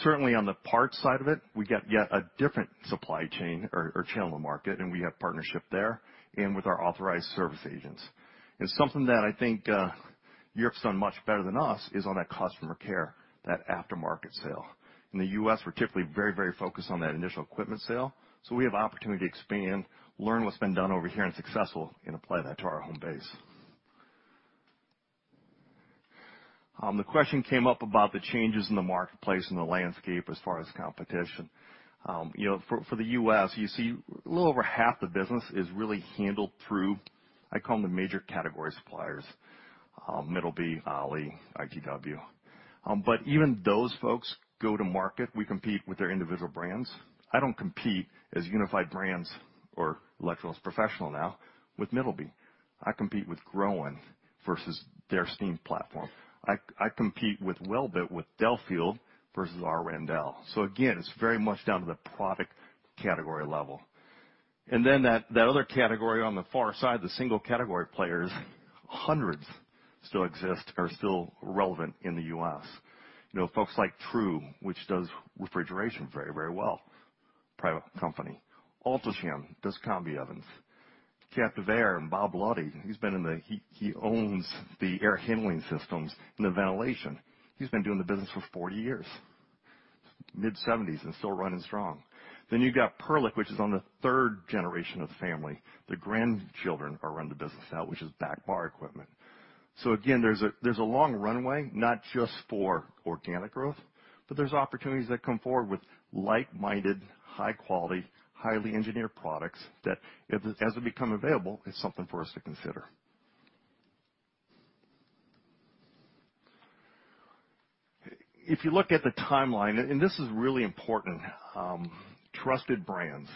Certainly on the parts side of it, we got yet a different supply chain or channel market, and we have partnership there and with our authorized service agents. Something that I think Europe's done much better than us is on that customer care, that aftermarket sale. In the U.S., we're typically very, very focused on that initial equipment sale, so we have opportunity to expand, learn what's been done over here, and successful, and apply that to our home base. The question came up about the changes in the marketplace and the landscape as far as competition. You know, for the U.S., you see a little over half the business is really handled through, I call them the major category suppliers. Middleby, Ali, ITW. But even those folks go to market, we compete with their individual brands. I don't compete as Unified Brands or Electrolux Professional now with Middleby. I compete with Groen versus their steam platform. I compete with Welbilt, with Delfield versus Randell. So again, it's very much down to the product category level. That other category on the far side, the single category players, hundreds still exist, are still relevant in the U.S. You know, folks like True, which does refrigeration very, very well, private company. Alto-Shaam does combi ovens. CaptiveAire and Bob Luddy, he owns the air handling systems in the ventilation. He has been doing the business for 40 years, mid-1970s, and still running strong. You have got Perlick, which is on the third generation of the family. The grandchildren are running the business now, which is back bar equipment. There is a long runway, not just for organic growth, but there are opportunities that come forward with like-minded, high quality, highly engineered products that as it become available, it is something for us to consider. If you look at the timeline, this is really important, trusted brands.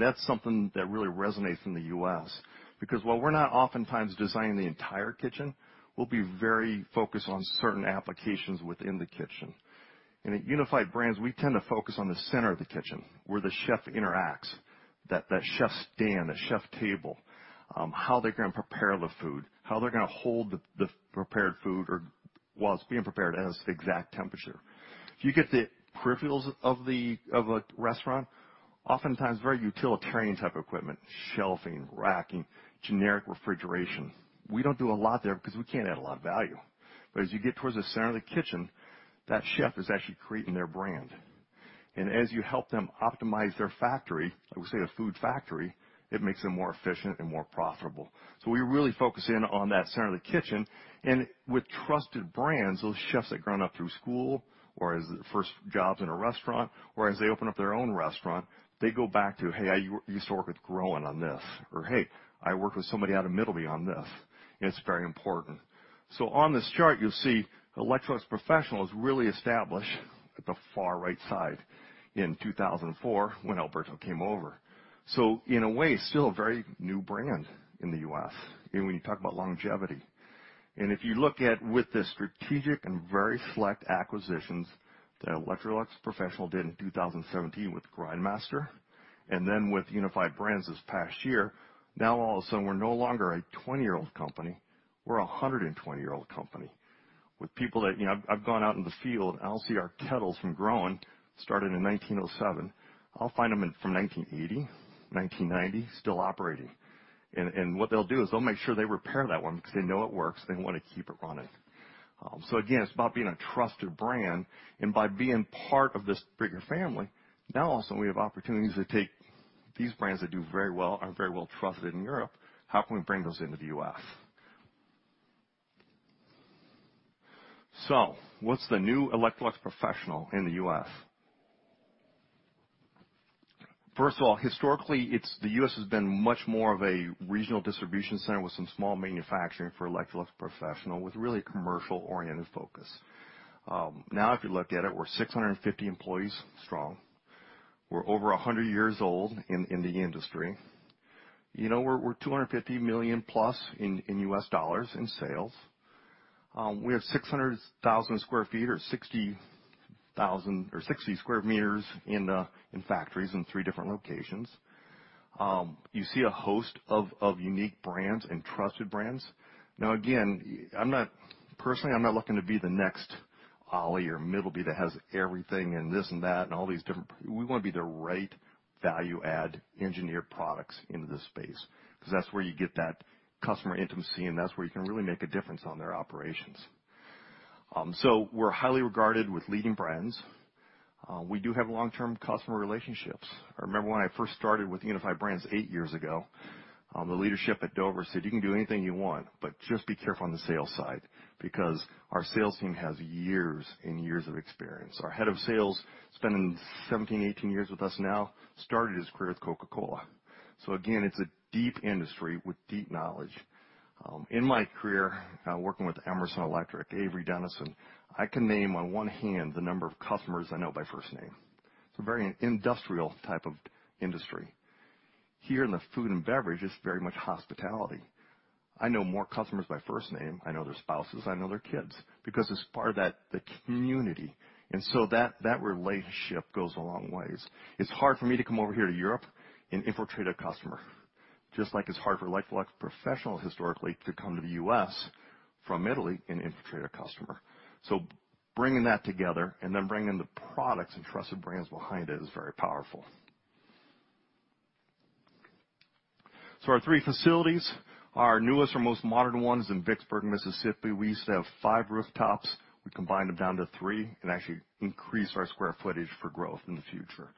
That's something that really resonates in the U.S. because while we're not oftentimes designing the entire kitchen, we'll be very focused on certain applications within the kitchen. At Unified Brands, we tend to focus on the center of the kitchen, where the chef interacts, that chef stand, that chef table, how they're gonna prepare the food, how they're gonna hold the prepared food or while it's being prepared at its exact temperature. If you get the peripherals of a restaurant, oftentimes very utilitarian type equipment, shelving, racking, generic refrigeration. We don't do a lot there because we can't add a lot of value. As you get towards the center of the kitchen, that chef is actually creating their brand. As you help them optimize their factory, I would say a food factory, it makes them more efficient and more profitable. We really focus in on that center of the kitchen. With trusted brands, those chefs that grown up through school or as first jobs in a restaurant or as they open up their own restaurant, they go back to, "Hey, I used to work with Groen on this," or, "Hey, I worked with somebody out of Middleby on this." It's very important. On this chart, you'll see Electrolux Professional is really established at the far right side in 2004 when Alberto came over. In a way, still a very new brand in the U.S., even when you talk about longevity. If you look at with the strategic and very select acquisitions that Electrolux Professional did in 2017 with Grindmaster, and then with Unified Brands this past year, now all of a sudden, we're no longer a 20-year-old company, we're a 120-year-old company. With people that. You know, I've gone out in the field, and I'll see our kettles from Groen, started in 1907. I'll find them from 1980, 1990, still operating. What they'll do is they'll make sure they repair that one because they know it works, they wanna keep it running. So again, it's about being a trusted brand. By being part of this bigger family, now also we have opportunities to take these brands that do very well, are very well trusted in Europe, how can we bring those into the U.S.? What's the new Electrolux Professional in the U.S.? First of all, historically, it's the U.S. has been much more of a regional distribution center with some small manufacturing for Electrolux Professional with really a commercial-oriented focus. Now if you look at it, we're 650 employees strong. We're over 100 years old in the industry. You know, we're $250 million plus in U.S. dollars in sales. We have 600,000 sq ft or 60 sq m in factories in three different locations. You see a host of unique brands and trusted brands. Now, again, I'm not personally, I'm not looking to be the next Ali or Middleby that has everything and this and that and all these different. We wanna be the right value-add engineered products into this space, 'cause that's where you get that customer intimacy, and that's where you can really make a difference on their operations. We're highly regarded with leading brands. We do have long-term customer relationships. I remember when I first started with Unified Brands 8 years ago, the leadership at Dover said, "You can do anything you want, but just be careful on the sales side," because our sales team has years and years of experience. Our head of sales, spending 17, 18 years with us now, started his career at Coca-Cola. Again, it's a deep industry with deep knowledge. In my career, working with Emerson Electric, Avery Dennison, I can name on one hand the number of customers I know by first name. It's a very industrial type of industry. Here in the food and beverage, it's very much hospitality. I know more customers by first name, I know their spouses, I know their kids because it's part of that, the community. That relationship goes a long way. It's hard for me to come over here to Europe and infiltrate a customer, just like it's hard for Electrolux Professional historically to come to the U.S. from Italy and infiltrate a customer. Bringing that together and then bringing the products and trusted brands behind it is very powerful. Our three facilities, our newest or most modern one is in Vicksburg, Mississippi. We used to have five rooftops. Combine them down to three and actually increase our square footage for growth in the future.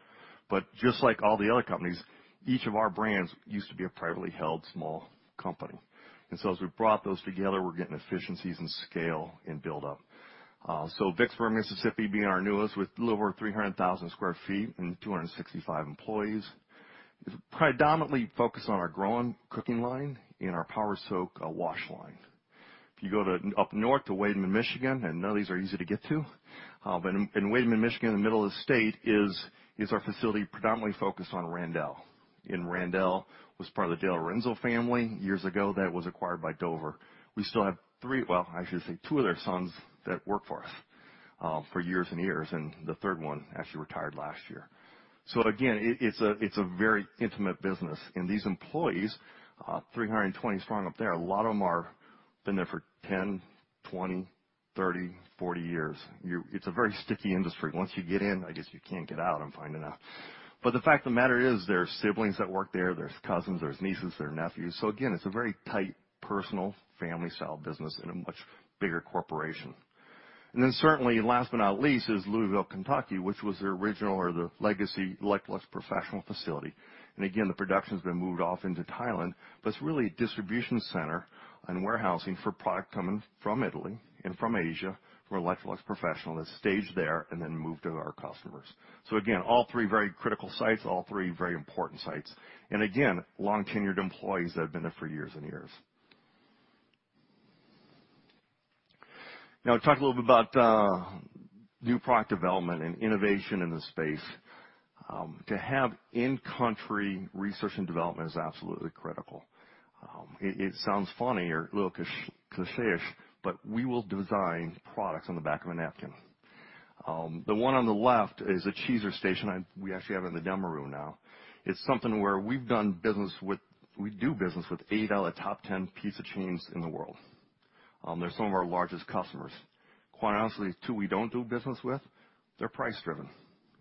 Just like all the other companies, each of our brands used to be a privately held small company. As we've brought those together, we're getting efficiencies and scale and build-up. Vicksburg, Mississippi being our newest with a little over 300,000 sq ft and 265 employees. It's predominantly focused on our growing cooking line and our Power Soak wash line. If you go up north to Weidman, Michigan, I know these are easy to get to, but in Weidman, Michigan, in the middle of the state is our facility predominantly focused on Randell. Randell was part of the DeLorenzo family years ago that was acquired by Dover. We still have three, well, I should say two of their sons that work for us for years and years, and the third one actually retired last year. It's a very intimate business. These employees, 320 strong up there, a lot of them been there for 10, 20, 30, 40 years. It's a very sticky industry. Once you get in, I guess you can't get out, I'm finding out. The fact of the matter is, there are siblings that work there's cousins, there's nieces, there's nephews. Again, it's a very tight, personal, family-style business in a much bigger corporation. Certainly, last but not least, is Louisville, Kentucky, which was the original or the legacy Electrolux Professional facility. Again, the production's been moved off into Thailand, but it's really a distribution center and warehousing for product coming from Italy and from Asia for Electrolux Professional that's staged there and then moved to our customers. Again, all three very critical sites, all three very important sites. Again, long-tenured employees that have been there for years and years. Now I talked a little bit about new product development and innovation in the space. To have in-country research and development is absolutely critical. It sounds funny or a little cliché, but we will design products on the back of a napkin. The one on the left is a cheeser station, and we actually have it in the demo room now. It's something where we do business with eight out of the top 10 pizza chains in the world. They're some of our largest customers. Quite honestly, the two we don't do business with, they're price-driven.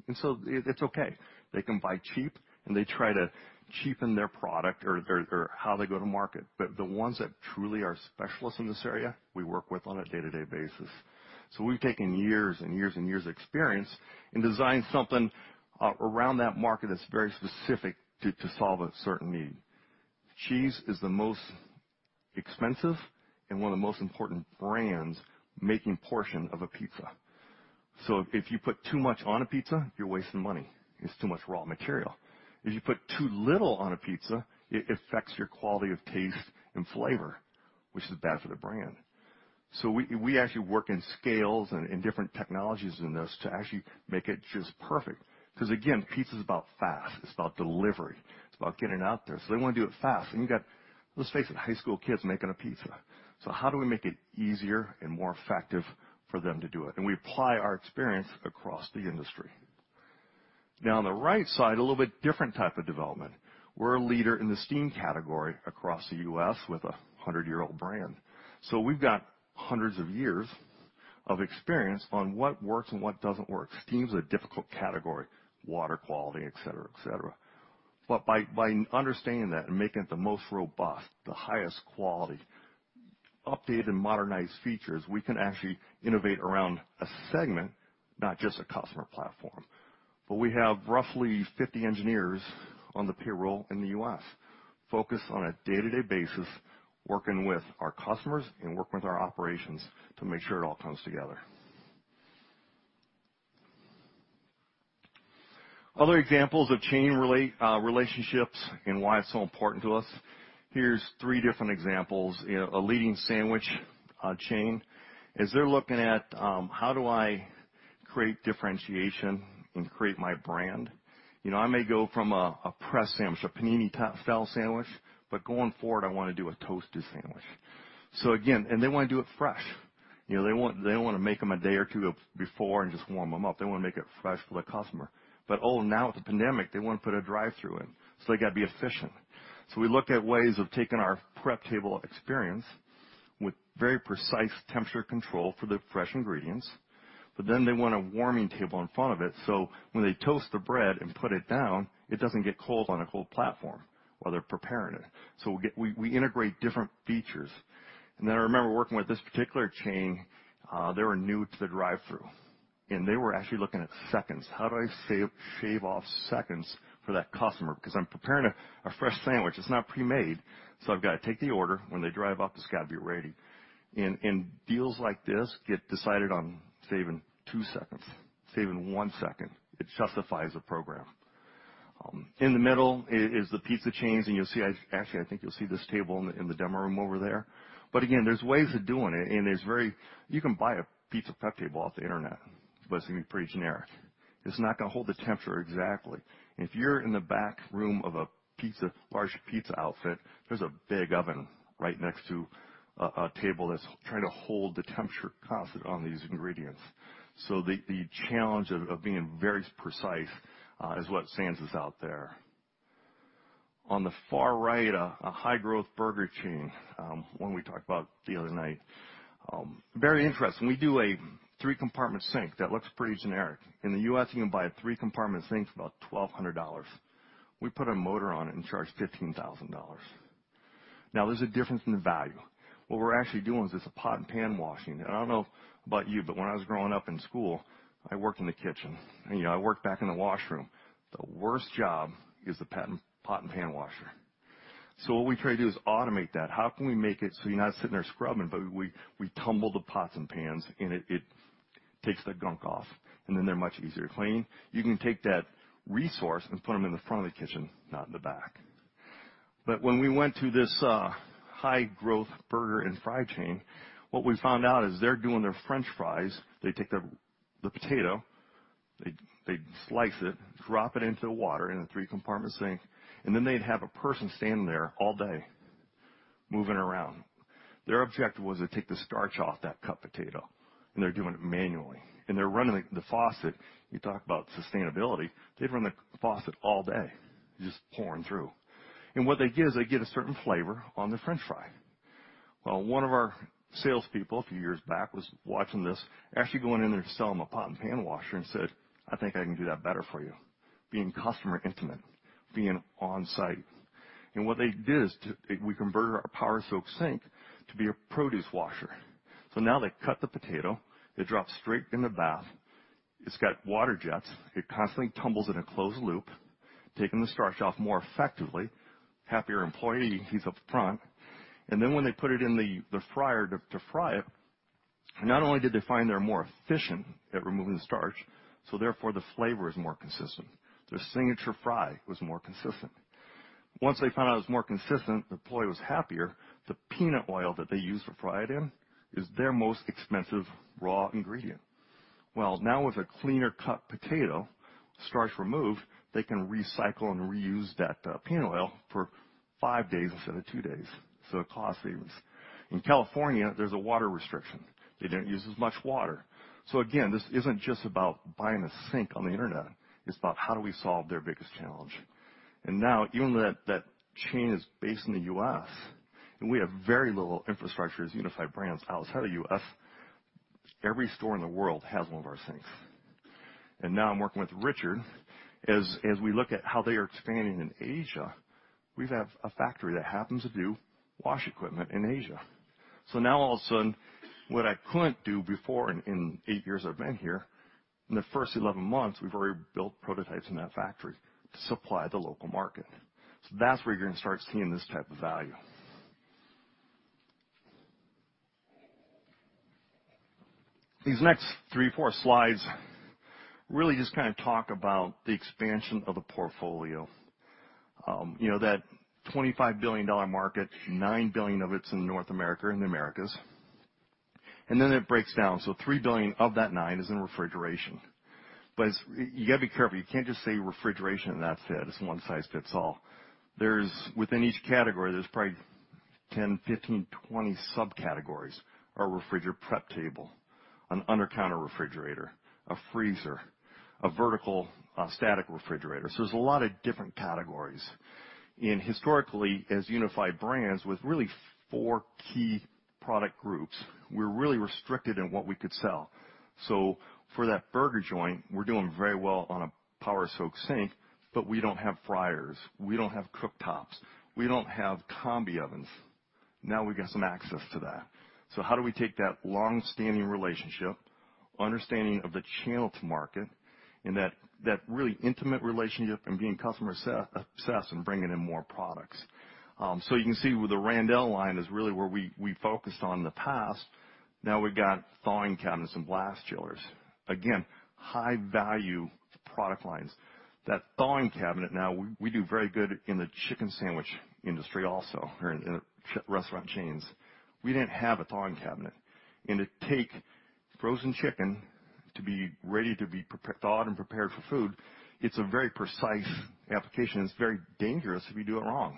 It's okay. They can buy cheap, and they try to cheapen their product or how they go to market. The ones that truly are specialists in this area, we work with on a day-to-day basis. We've taken years and years and years of experience and designed something around that market that's very specific to solve a certain need. Cheese is the most expensive and one of the most important brand's main portion of a pizza. If you put too much on a pizza, you're wasting money. It's too much raw material. If you put too little on a pizza, it affects your quality of taste and flavor, which is bad for the brand. We actually work in scales and in different technologies in this to actually make it just perfect. 'Cause again, pizza is about fast, it's about delivery, it's about getting it out there. They wanna do it fast. You got, let's face it, high school kids making a pizza. How do we make it easier and more effective for them to do it? We apply our experience across the industry. Now on the right side, a little bit different type of development. We're a leader in the steam category across the U.S. with a 100-year-old brand. We've got hundreds of years of experience on what works and what doesn't work. Steam's a difficult category, water quality, et cetera, et cetera. By understanding that and making it the most robust, the highest quality, updated and modernized features, we can actually innovate around a segment, not just a customer platform. We have roughly 50 engineers on the payroll in the U.S., focused on a day-to-day basis, working with our customers and working with our operations to make sure it all comes together. Other examples of chain relationships and why it's so important to us. Here's three different examples. You know, a leading sandwich chain, as they're looking at how do I create differentiation and create my brand? You know, I may go from a pressed sandwich, a panini-type style sandwich, but going forward, I wanna do a toasted sandwich. Again, they wanna do it fresh. You know, they want, they don't wanna make them a day or two before and just warm them up. They wanna make it fresh for the customer. Oh, now with the pandemic, they wanna put a drive-thru in, so they gotta be efficient. We looked at ways of taking our prep table experience with very precise temperature control for the fresh ingredients, but then they want a warming table in front of it, so when they toast the bread and put it down, it doesn't get cold on a cold platform while they're preparing it. We integrate different features. Then I remember working with this particular chain, they were new to the drive-thru, and they were actually looking at seconds. How do I shave off seconds for that customer? Because I'm preparing a fresh sandwich. It's not pre-made. I've got to take the order. When they drive up, it's got to be ready. Deals like this get decided on saving two seconds, saving one second. It justifies a program. In the middle is the pizza chains, and you'll see, actually, I think you'll see this table in the demo room over there. There are ways of doing it, and it's very. You can buy a pizza prep table off the internet, but it's gonna be pretty generic. It's not gonna hold the temperature exactly. If you're in the back room of a large pizza outfit, there's a big oven right next to a table that's trying to hold the temperature constant on these ingredients. The challenge of being very precise is what sets us apart out there. On the far right, a high-growth burger chain, one we talked about the other night. Very interesting. We do a three-compartment sink that looks pretty generic. In the U.S., you can buy a three-compartment sink for about $1,200. We put a motor on it and charge $15,000. Now there's a difference in the value. What we're actually doing is this pot and pan washing. I don't know about you, but when I was growing up in school, I worked in the kitchen. You know, I worked back in the washroom. The worst job is the pot and pan washer. What we try to do is automate that. How can we make it so you're not sitting there scrubbing, but we tumble the pots and pans, and it takes the gunk off, and then they're much easier cleaning. You can take that resource and put 'em in the front of the kitchen, not in the back. When we went to this high-growth burger and fry chain, what we found out is they're doing their french fries. They take the potato, they slice it, drop it into the water in a three-compartment sink, and then they'd have a person standing there all day moving around. Their objective was to take the starch off that cut potato, and they're doing it manually. They're running the faucet. You talk about sustainability. They'd run the faucet all day, just pouring through. What they get is a certain flavor on their French fry. Well, one of our salespeople a few years back was watching this, actually going in there to sell them a pot and pan washer and said, "I think I can do that better for you," being customer intimate, being on-site. What they did is we converted our Power Soak sink to be a produce washer. Now they cut the potato, they drop straight in the bath. It's got water jets. It constantly tumbles in a closed loop, taking the starch off more effectively. Happier employee, he's up front. When they put it in the fryer to fry it, not only did they find they're more efficient at removing the starch, so therefore, the flavor is more consistent. Their signature fry was more consistent. Once they found out it was more consistent, the employee was happier. The peanut oil that they use to fry it in is their most expensive raw ingredient. Well, now with a cleaner cut potato, starch removed, they can recycle and reuse that peanut oil for five days instead of two days. Cost savings. In California, there's a water restriction. They didn't use as much water. Again, this isn't just about buying a sink on the Internet. It's about how do we solve their biggest challenge. Now even that chain is based in the U.S., and we have very little infrastructure as Unified Brands outside of US. Every store in the world has one of our sinks. Now I'm working with Richard as we look at how they are expanding in Asia. We have a factory that happens to do wash equipment in Asia. Now all of a sudden, what I couldn't do before in eight years I've been here, in the first 11 months, we've already built prototypes in that factory to supply the local market. So that's where you're gonna start seeing this type of value. These next three, four slides really just kinda talk about the expansion of the portfolio. You know, that $25 billion market, $9 billion of it's in North America, in the Americas. Then it breaks down. $3 billion of that $9 billion is in refrigeration. It's, you gotta be careful. You can't just say refrigeration, and that's it. It's one size fits all. There's within each category, there's probably 10, 15, 20 subcategories. A refrigerator prep table, an undercounter refrigerator, a freezer, a vertical, static refrigerator. There's a lot of different categories. Historically, as Unified Brands with really four key product groups, we're really restricted in what we could sell. For that burger joint, we're doing very well on a Power Soak sink, but we don't have fryers. We don't have cooktops. We don't have combi ovens. Now we've got some access to that. How do we take that long-standing relationship, understanding of the channel to market and that really intimate relationship and being customer obsessed and bringing in more products? You can see with the Randell line is really where we focused in the past. Now we've got thawing cabinets and blast chillers. Again, high-value product lines. That thawing cabinet now, we do very good in the chicken sandwich industry also or in restaurant chains. We didn't have a thawing cabinet. To take frozen chicken to be ready to be thawed and prepared for food, it's a very precise application. It's very dangerous if you do it wrong.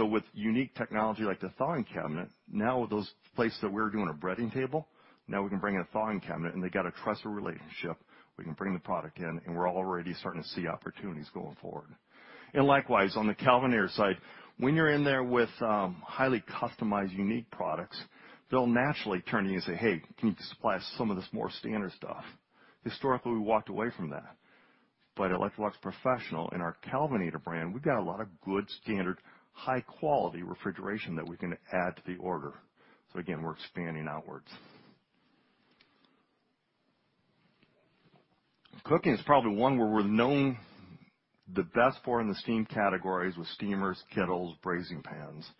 With unique technology like the thawing cabinet, now with those places that we're doing a breading table, now we can bring in a thawing cabinet, and they got a trusted relationship. We can bring the product in, and we're already starting to see opportunities going forward. Likewise, on the Kelvinator side, when you're in there with highly customized, unique products, they'll naturally turn to you and say, "Hey, can you supply us some of this more standard stuff?" Historically, we walked away from that. Electrolux Professional and our Kelvinator brand, we've got a lot of good, standard, high-quality refrigeration that we can add to the order. Again, we're expanding outwards. Cooking is probably one where we're known the best for in the steam categories with steamers, kettles, braising pans.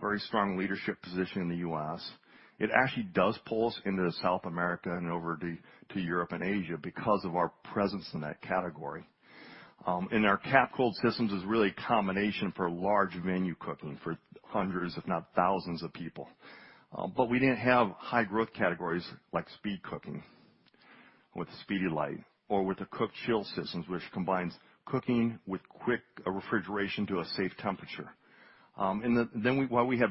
Very strong leadership position in the U.S. It actually does pull us into South America and over to Europe and Asia because of our presence in that category. Our CapKold systems is really a combination for large venue cooking for hundreds, if not thousands of people. We didn't have high-growth categories like speed cooking with SpeeDelight or with the cook-chill systems, which combines cooking with quick refrigeration to a safe temperature. Then while we had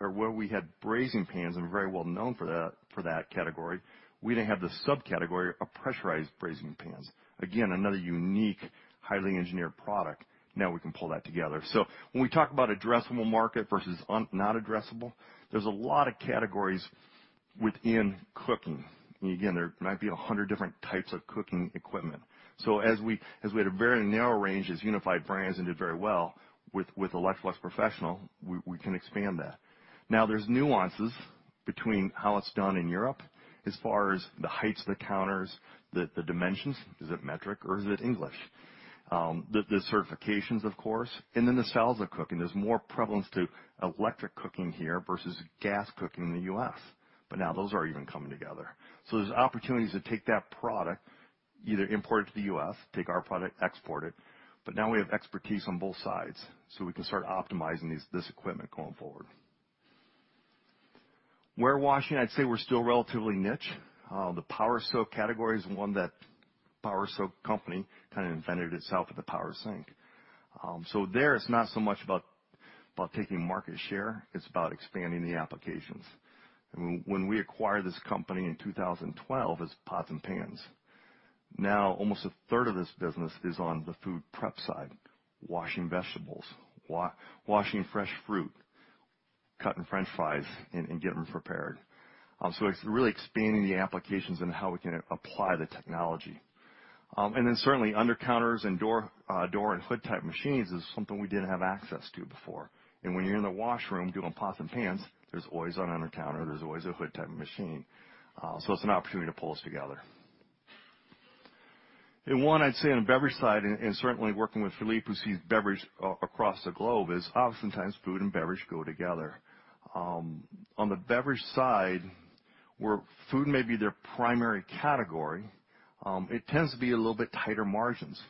or where we had braising pans and very well known for that, for that category, we didn't have the subcategory of pressurized braising pans. Again, another unique, highly engineered product. Now we can pull that together. When we talk about addressable market versus not addressable, there's a lot of categories within cooking. Again, there might be 100 different types of cooking equipment. As we had a very narrow range as Unified Brands and did very well with Electrolux Professional, we can expand that. Now, there's nuances between how it's done in Europe as far as the heights of the counters, the dimensions. Is it metric or is it English? The certifications, of course, and then the styles of cooking. There's more prevalence to electric cooking here versus gas cooking in the U.S., but now those are even coming together. There's opportunities to take that product, either import it to the US, take our product, export it, but now we have expertise on both sides, so we can start optimizing this equipment going forward. Warewashing, I'd say we're still relatively niche. The Power Soak category is one that Power Soak company kind of invented itself with the power sink. There it's not so much about taking market share, it's about expanding the applications. When we acquired this company in 2012, it's pots and pans. Now almost a third of this business is on the food prep side, washing vegetables, washing fresh fruit, cutting french fries and getting them prepared. It's really expanding the applications and how we can apply the technology. Certainly undercounters and door and hood-type machines is something we didn't have access to before. When you're in the washroom doing pots and pans, there's always an undercounter, there's always a hood-type machine. It's an opportunity to pull this together. One I'd say on the beverage side, and certainly working with Philippe, who sees beverage across the globe, is oftentimes food and beverage go together. On the beverage side, where food may be their primary category, it tends to be a little bit tighter margins.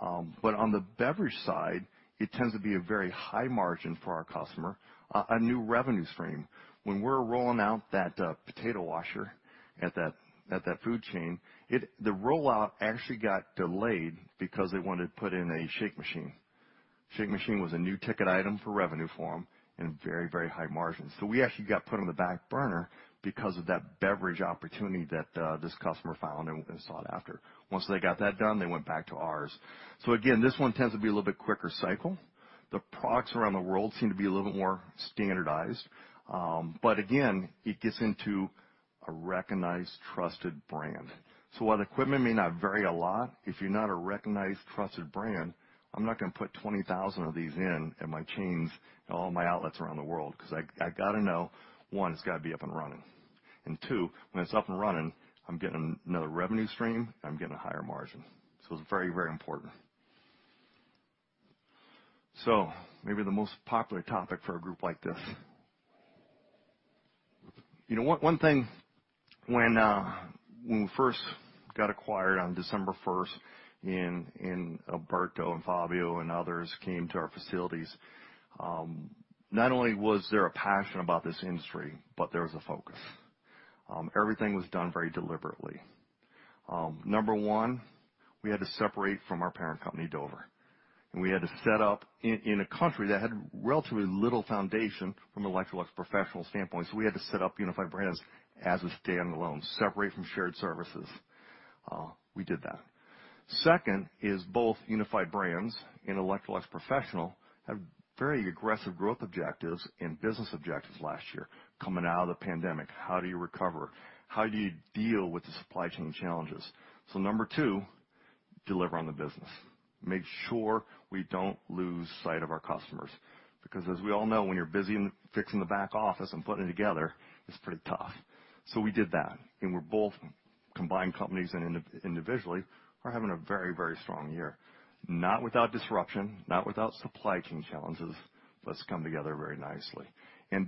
On the beverage side, it tends to be a very high margin for our customer, a new revenue stream. When we're rolling out that potato washer at that food chain, the rollout actually got delayed because they wanted to put in a shake machine. Shake machine was a new ticket item for revenue for them and very, very high margin. So we actually got put on the back burner because of that beverage opportunity that this customer found and sought after. Once they got that done, they went back to ours. So again, this one tends to be a little bit quicker cycle. The products around the world seem to be a little bit more standardized. Again, it gets into a recognized, trusted brand. While the equipment may not vary a lot, if you're not a recognized, trusted brand, I'm not gonna put 20,000 of these in at my chains and all my outlets around the world, 'cause I gotta know, one, it's gotta be up and running, and two, when it's up and running, I'm getting another revenue stream, I'm getting a higher margin. It's very, very important. Maybe the most popular topic for a group like this. You know what? One thing when we first got acquired on December first and Alberto and Fabio and others came to our facilities, not only was there a passion about this industry, but there was a focus. Everything was done very deliberately. Number one, we had to separate from our parent company, Dover, and we had to set up in a country that had relatively little foundation from Electrolux Professional standpoint. We had to set up Unified Brands as a stand-alone, separate from shared services. We did that. Second is both Unified Brands and Electrolux Professional have very aggressive growth objectives and business objectives last year. Coming out of the pandemic, how do you recover? How do you deal with the supply chain challenges? Number two, deliver on the business. Make sure we don't lose sight of our customers, because as we all know, when you're busy fixing the back office and putting it together, it's pretty tough. We did that, and we're both combined companies and individually are having a very, very strong year. Not without disruption, not without supply chain challenges, but it's come together very nicely.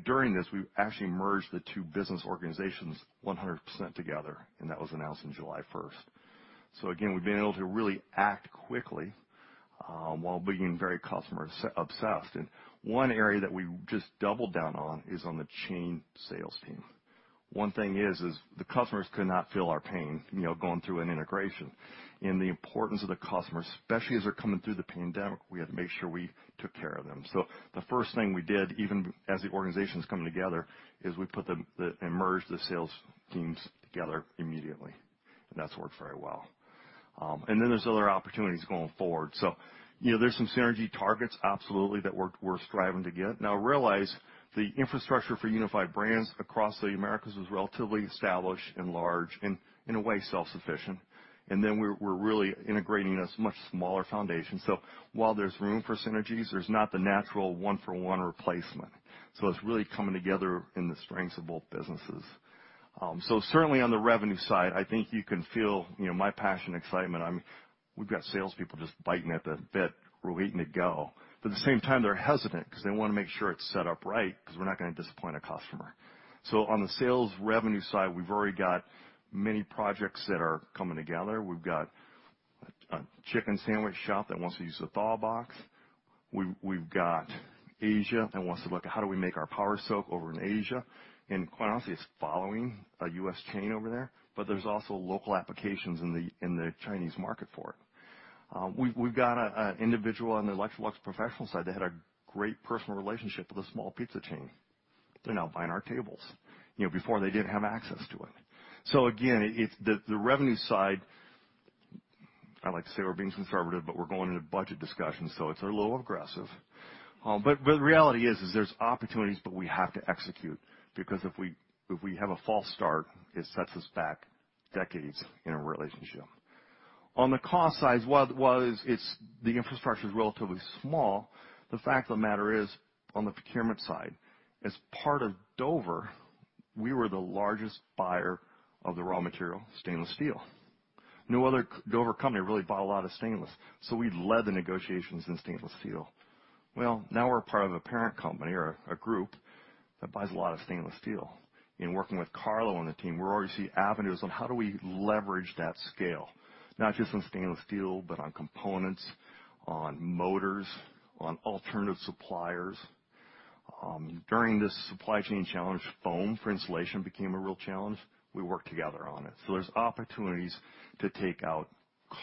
During this, we've actually merged the two business organizations 100% together, and that was announced on July first. Again, we've been able to really act quickly, while being very customer obsessed. One area that we just doubled down on is on the chain sales team. One thing is the customers could not feel our pain, you know, going through an integration. The importance of the customer, especially as they're coming through the pandemic, we had to make sure we took care of them. The first thing we did, even as the organizations coming together, is we merged the sales teams together immediately. That's worked very well. Then there's other opportunities going forward. You know, there's some synergy targets absolutely that we're striving to get. Now realize, the infrastructure for Unified Brands across the Americas was relatively established and large and in a way self-sufficient. Then we're really integrating this much smaller foundation. While there's room for synergies, there's not the natural one-for-one replacement. It's really coming together in the strengths of both businesses. Certainly on the revenue side, I think you can feel, you know, my passion, excitement. We've got salespeople just champing at the bit who are waiting to go. But at the same time, they're hesitant 'cause they wanna make sure it's set up right 'cause we're not gonna disappoint a customer. On the sales revenue side, we've already got many projects that are coming together. We've got a chicken sandwich shop that wants to use the thaw box. We've got Asia that wants to look at how do we make our Power Soak over in Asia. Quite honestly, it's following a U.S. chain over there, but there's also local applications in the Chinese market for it. We've got an individual on the Electrolux Professional side that had a great personal relationship with a small pizza chain. They're now buying our tables. You know, before they didn't have access to it. Again, it's the revenue side. I like to say we're being conservative, but we're going into budget discussions, so it's a little aggressive. But the reality is there's opportunities, but we have to execute because if we have a false start, it sets us back decades in a relationship. On the cost side, while it's the infrastructure is relatively small, the fact of the matter is, on the procurement side, as part of Dover, we were the largest buyer of the raw material, stainless steel. No other Dover company really bought a lot of stainless, so we led the negotiations in stainless steel. Well, now we're part of a parent company or a group that buys a lot of stainless steel. In working with Carlo and the team, we're already seeing avenues on how do we leverage that scale, not just on stainless steel, but on components, on motors, on alternative suppliers. During this supply chain challenge, foam for insulation became a real challenge. We worked together on it. There's opportunities to take out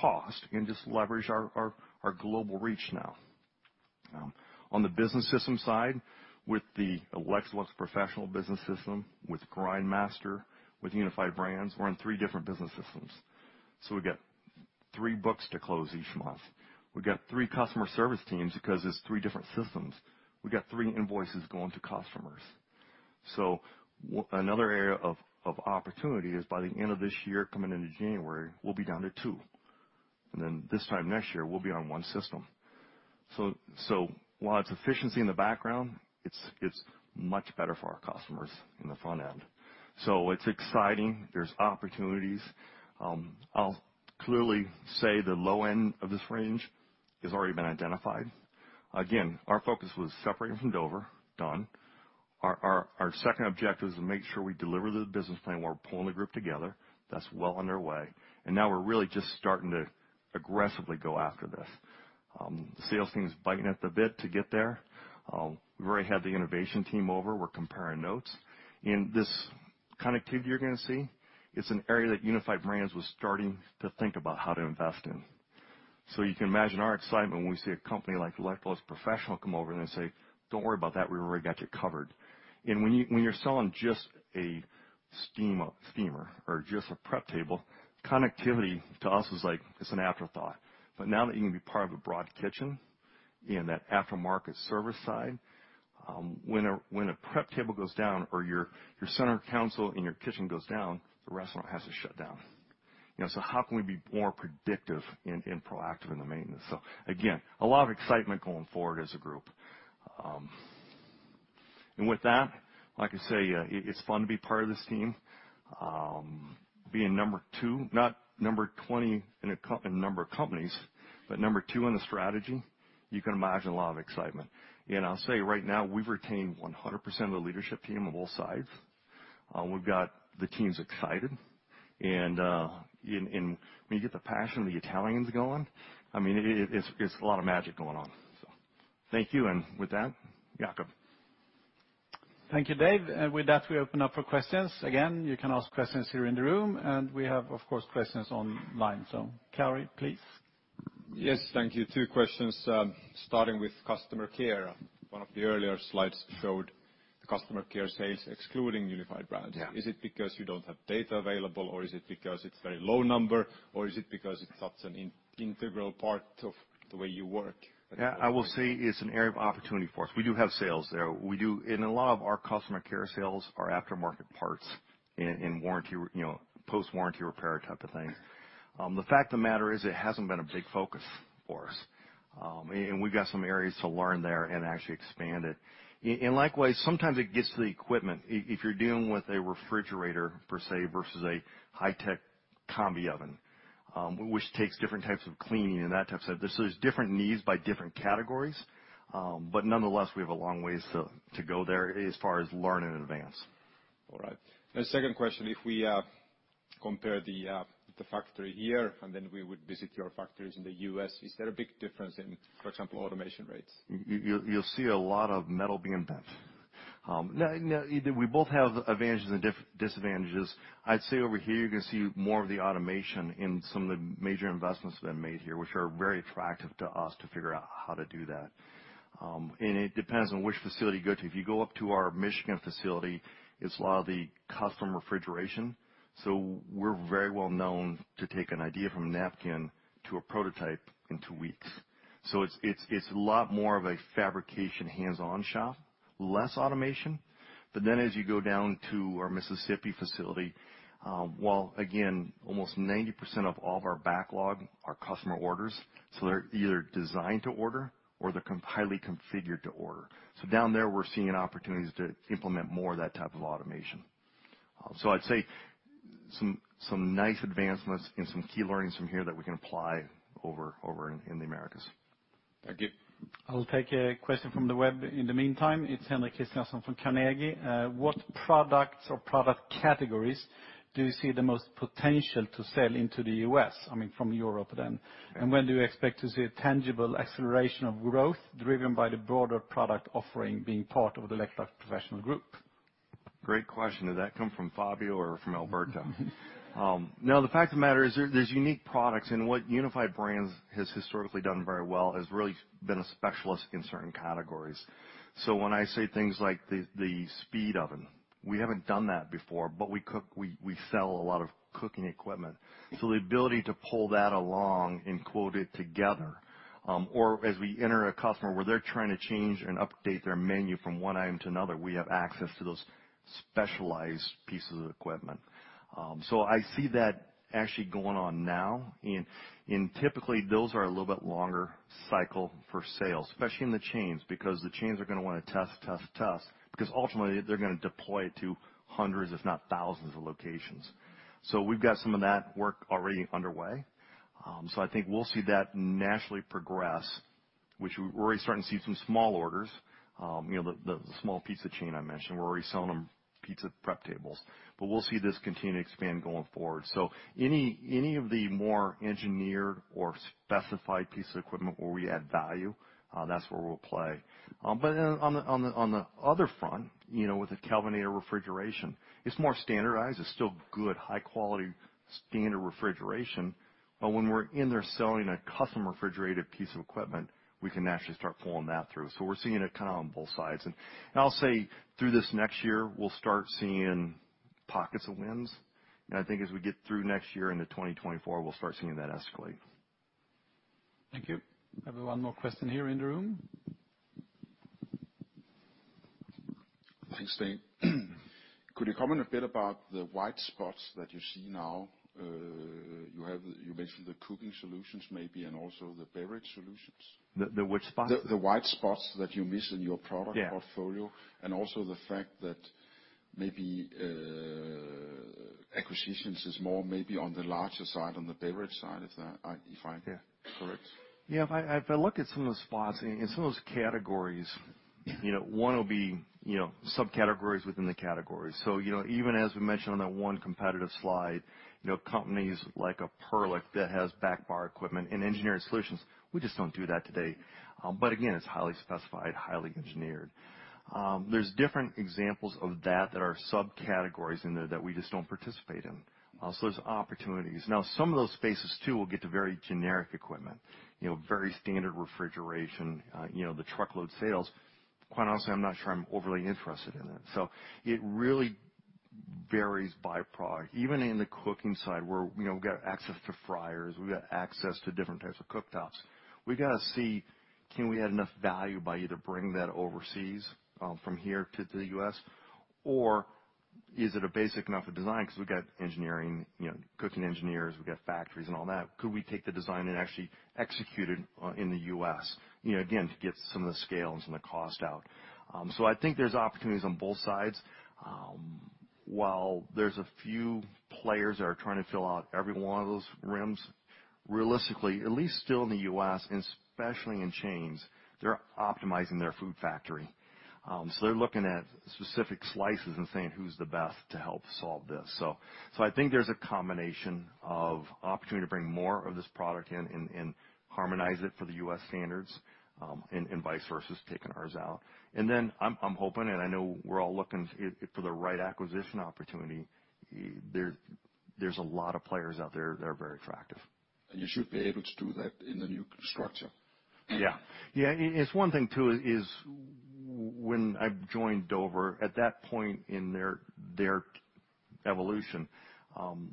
cost and just leverage our global reach now. On the business system side, with the Electrolux Professional business system, with Grindmaster, with Unified Brands, we're in three different business systems, so we've got three books to close each month. We've got three customer service teams because it's three different systems. We got three invoices going to customers. Another area of opportunity is by the end of this year, coming into January, we'll be down to two, and then this time next year we'll be on one system. While it's efficiency in the background, it's much better for our customers in the front end. It's exciting. There's opportunities. I'll clearly say the low end of this range has already been identified. Again, our focus was separating from Dover. Done. Our second objective is to make sure we deliver the business plan while we're pulling the group together. That's well underway. Now we're really just starting to aggressively go after this. The sales team is biting at the bit to get there. We've already had the innovation team over. We're comparing notes. This connectivity you're gonna see, it's an area that Unified Brands was starting to think about how to invest in. You can imagine our excitement when we see a company like Electrolux Professional come over and they say, "Don't worry about that, we've already got you covered." When you're selling just a steamer or just a prep table, connectivity to us was like, it's an afterthought. Now that you can be part of a broad kitchen in that aftermarket service side, when a prep table goes down or your center console in your kitchen goes down, the restaurant has to shut down. You know, how can we be more predictive and proactive in the maintenance? Again, a lot of excitement going forward as a group. With that, like I say, it's fun to be part of this team. Being number two, not number 20 in number of companies, but number two in the strategy, you can imagine a lot of excitement. I'll say right now, we've retained 100% of the leadership team on both sides. We've got the teams excited and when you get the passion of the Italians going, I mean, it's a lot of magic going on, so thank you, and with that, Jacob. Thank you, Dave. With that, we open up for questions. Again, you can ask questions here in the room, and we have, of course, questions online. Karin, please. Yes. Thank you. Two questions, starting with customer care. One of the earlier slides showed the customer care sales excluding Unified Brands. Yeah. Is it because you don't have data available, or is it because it's very low number, or is it because it's such an integral part of the way you work? Yeah, I will say it's an area of opportunity for us. We do have sales there. A lot of our customer care sales are aftermarket parts and warranty, you know, post-warranty repair type of thing. The fact of the matter is it hasn't been a big focus for us. We've got some areas to learn there and actually expand it. Likewise, sometimes it gets to the equipment. If you're dealing with a refrigerator per se versus a high-tech combi oven, which takes different types of cleaning and that type stuff. There's different needs by different categories, but nonetheless, we have a long ways to go there as far as learn and advance. All right. The second question, if we compare the factory here, and then we would visit your factories in the U.S., is there a big difference in, for example, automation rates? You'll see a lot of metal being bent. We both have advantages and disadvantages. I'd say over here you're gonna see more of the automation in some of the major investments that have been made here, which are very attractive to us to figure out how to do that. It depends on which facility you go to. If you go up to our Michigan facility, it's a lot of the custom refrigeration. We're very well known to take an idea from a napkin to a prototype in two weeks. It's a lot more of a fabrication hands-on shop, less automation. As you go down to our Mississippi facility, while again, almost 90% of all of our backlog are customer orders, so they're either designed to order or they're highly configured to order. Down there, we're seeing opportunities to implement more of that type of automation. I'd say some nice advancements and some key learnings from here that we can apply over in the Americas. Thank you. I'll take a question from the web in the meantime. It's Henrik Christiansson from Carnegie. What products or product categories do you see the most potential to sell into the U.S.? I mean, from Europe then. When do you expect to see a tangible acceleration of growth driven by the broader product offering being part of the Electrolux Professional group? Great question. Did that come from Fabio or from Alberto? No, the fact of the matter is that there's unique products, and what Unified Brands has historically done very well has really been a specialist in certain categories. When I say things like the speed oven, we haven't done that before, but we sell a lot of cooking equipment. The ability to pull that along and quote it together, or as we enter a customer where they're trying to change and update their menu from one item to another, we have access to those specialized pieces of equipment. I see that actually going on now. Typically those are a little bit longer cycle for sales, especially in the chains, because the chains are gonna wanna test, test, because ultimately they're gonna deploy it to hundreds if not thousands of locations. We've got some of that work already underway. I think we'll see that naturally progress, which we're already starting to see some small orders. You know, the small pizza chain I mentioned, we're already selling them pizza prep tables. We'll see this continue to expand going forward. Any of the more engineered or specified piece of equipment where we add value, that's where we'll play. But then on the other front, you know, with the Kelvinator Commercial, it's more standardized. It's still good, high quality standard refrigeration. When we're in there selling a custom refrigerated piece of equipment, we can naturally start pulling that through. We're seeing it kind of on both sides. I'll say through this next year, we'll start seeing pockets of wins. I think as we get through next year into 2024, we'll start seeing that escalate. Thank you. I have one more question here in the room. Thanks, Dane. Could you comment a bit about the white spots that you see now? You mentioned the cooking solutions maybe and also the beverage solutions. The which spots? The white spots that you miss in your product. Yeah. Portfolio, and also the fact that maybe acquisitions is more maybe on the larger side, on the beverage side, if I. Yeah. Correct. Yeah. If I look at some of the spots and some of those categories, you know, one will be, you know, subcategories within the category. Even as we mentioned on that one competitive slide, you know, companies like Perlick that has back bar equipment and engineering solutions, we just don't do that today. But again, it's highly specified, highly engineered. There's different examples of that that are subcategories in there that we just don't participate in. There's opportunities. Now, some of those spaces too will get to very generic equipment, you know, very standard refrigeration, you know, the truckload sales. Quite honestly, I'm not sure I'm overly interested in it. It really varies by product. Even in the cooking side where, you know, we've got access to fryers, we've got access to different types of cooktops, we gotta see can we add enough value by either bringing that overseas, from here to the U.S., or is it a basic enough a design, 'cause we've got engineering, you know, cooking engineers, we've got factories and all that, could we take the design and actually execute it in the U.S., you know, again, to get some of the scale and some of the cost out. I think there's opportunities on both sides. While there's a few players that are trying to fill out every one of those rims, realistically, at least still in the U.S., and especially in chains, they're optimizing their food factory. They're looking at specific slices and saying, "Who's the best to help solve this?" I think there's a combination of opportunity to bring more of this product in and harmonize it for the U.S. standards, and vice versa, taking ours out. I'm hoping, and I know we're all looking for the right acquisition opportunity. There's a lot of players out there that are very attractive. You should be able to do that in the new structure. Yeah. It's one thing, too, is when I joined Dover, at that point in their evolution,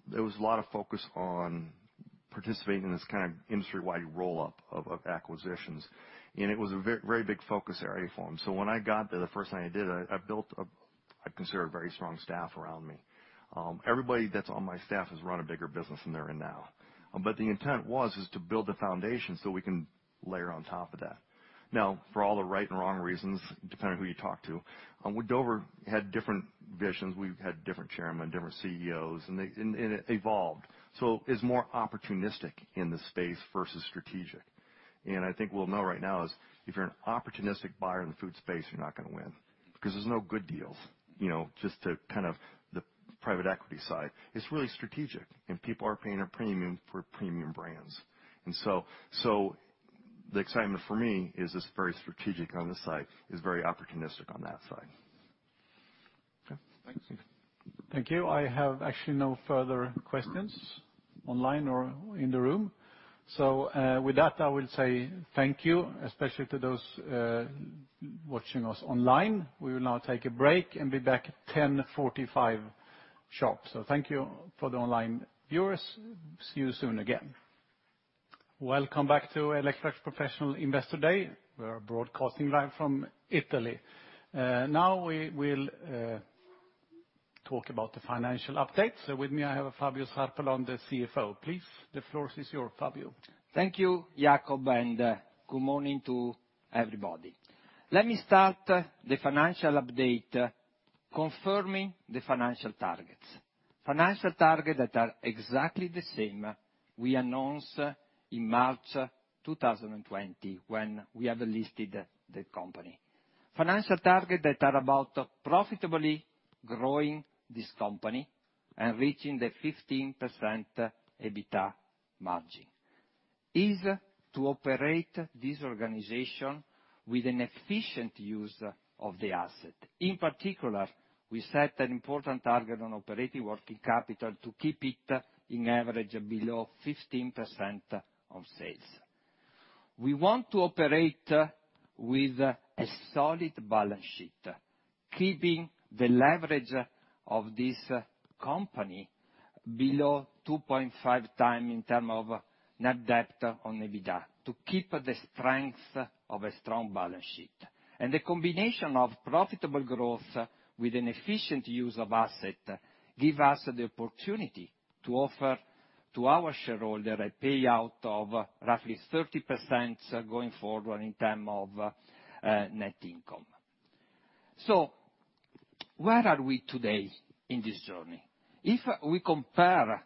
there was a lot of focus on participating in this kind of industry-wide roll-up of acquisitions, and it was a very big focus area for them. When I got there, the first thing I did, I built what I consider a very strong staff around me. Everybody that's on my staff has run a bigger business than they're in now. The intent was to build the foundation so we can layer on top of that. Now, for all the right and wrong reasons, depending on who you talk to, Dover had different visions. We've had different chairmen, different CEOs, and it evolved. It's more opportunistic in this space versus strategic. I think what we'll know right now is if you're an opportunistic buyer in the food space, you're not gonna win, because there's no good deals. You know, just to kind of the private equity side, it's really strategic, and people are paying a premium for premium brands. The excitement for me is it's very strategic on this side, it's very opportunistic on that side. Okay. Thank you. Thank you. I have actually no further questions online or in the room. With that, I will say thank you, especially to those, watching us online. We will now take a break and be back at 10:45 A.M sharp. Thank you for the online viewers. See you soon again. Welcome back to Electrolux Professional Investor Day. We are broadcasting live from Italy. Now we will talk about the financial update. With me, I have Fabio Zarpellon, the CFO. Please, the floor is yours, Fabio. Thank you, Jacob, and good morning to everybody. Let me start the financial update confirming the financial targets. Financial targets that are exactly the same we announced in March 2020 when we have listed the company. Financial targets that are about profitably growing this company and reaching the 15% EBITDA margin. It is to operate this organization with an efficient use of the asset. In particular, we set an important target on operating working capital to keep it on average below 15% of sales. We want to operate with a solid balance sheet, keeping the leverage of this company below 2.5x in terms of net debt on EBITDA to keep the strength of a strong balance sheet. The combination of profitable growth with an efficient use of assets give us the opportunity to offer to our shareholders a payout of roughly 30% going forward in terms of net income. Where are we today in this journey? If we compare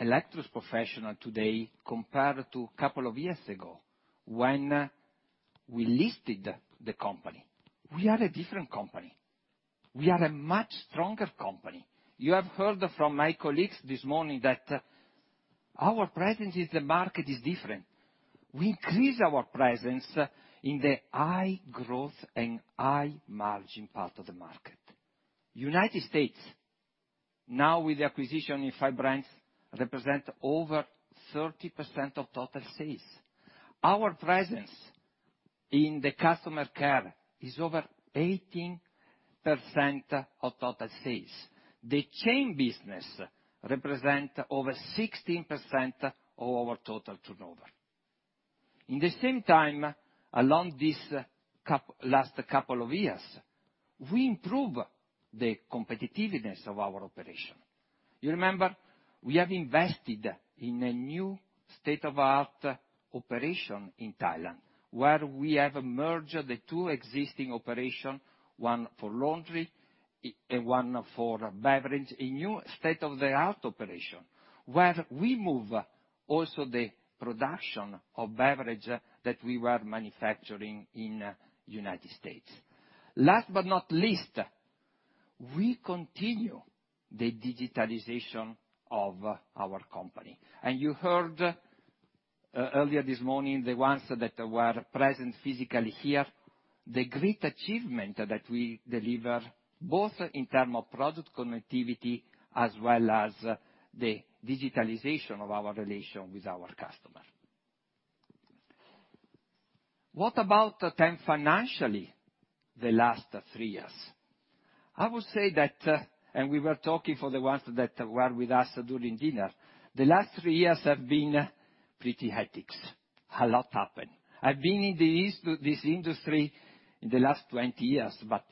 Electrolux Professional today compared to a couple of years ago when we listed the company, we are a different company. We are a much stronger company. You have heard from my colleagues this morning that our presence in the market is different. We increase our presence in the high growth and high margin part of the market. United States, now with the acquisition of five brands, represent over 30% of total sales. Our presence in the customer care is over 18% of total sales. The chain business represent over 16% of our total turnover. In the same time, along this last couple of years, we improve the competitiveness of our operation. You remember, we have invested in a new state-of-the-art operation in Thailand, where we have merged the two existing operation, one for laundry and one for beverage. A new state-of-the-art operation, where we move also the production of beverage that we were manufacturing in the United States. Last but not least, we continue the digitalization of our company. You heard earlier this morning, the ones that were present physically here, the great achievement that we deliver, both in terms of product connectivity as well as the digitalization of our relation with our customer. What about terms financially, the last three years? I would say that, and we were talking for the ones that were with us during dinner, the last three years have been pretty hectic. A lot happened. I've been in this industry in the last 20 years, but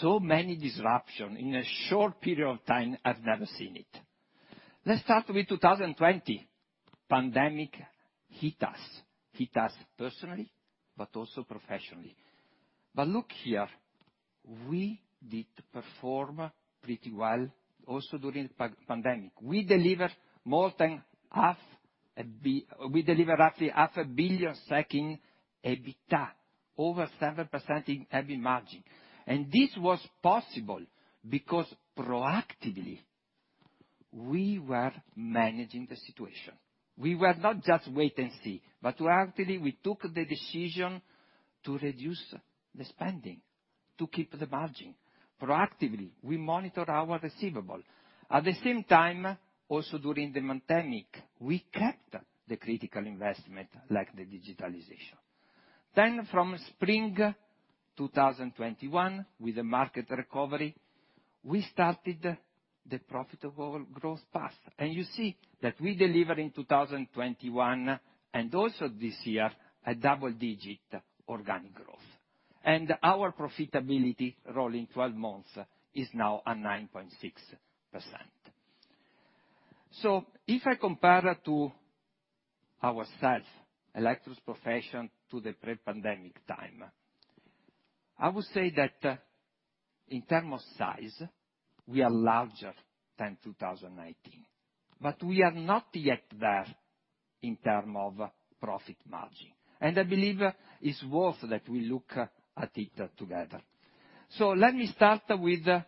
so many disruptions in a short period of time, I've never seen it. Let's start with 2020. Pandemic hit us. Hit us personally, but also professionally. Look here, we did perform pretty well also during pandemic. We delivered roughly SEK 500 million in EBITDA. Over 7% in EBITDA margin. This was possible because proactively, we were managing the situation. We were not just wait-and-see, but proactively, we took the decision to reduce the spending, to keep the margin. Proactively, we monitor our receivables. At the same time, also during the pandemic, we kept the critical investments like the digitalization. From spring 2021, with the market recovery, we started the profitable growth path. You see that we deliver in 2021, and also this year, a double-digit organic growth. Our profitability rolling twelve months is now at 9.6%. If I compare to ourselves, Electrolux Professional to the pre-pandemic time, I would say that in terms of size, we are larger than 2018, but we are not yet there in terms of profit margin. I believe it's worth that we look at it together. Let me start with the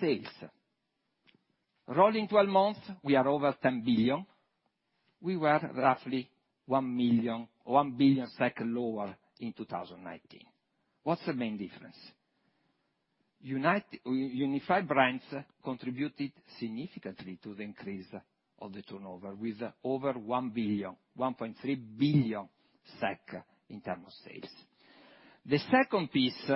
sales. Rolling twelve months, we are over 10 billion. We were roughly 1 billion lower in 2019. What's the main difference? Unified Brands contributed significantly to the increase of the turnover with over 1.3 billion SEK in terms of sales. The second piece,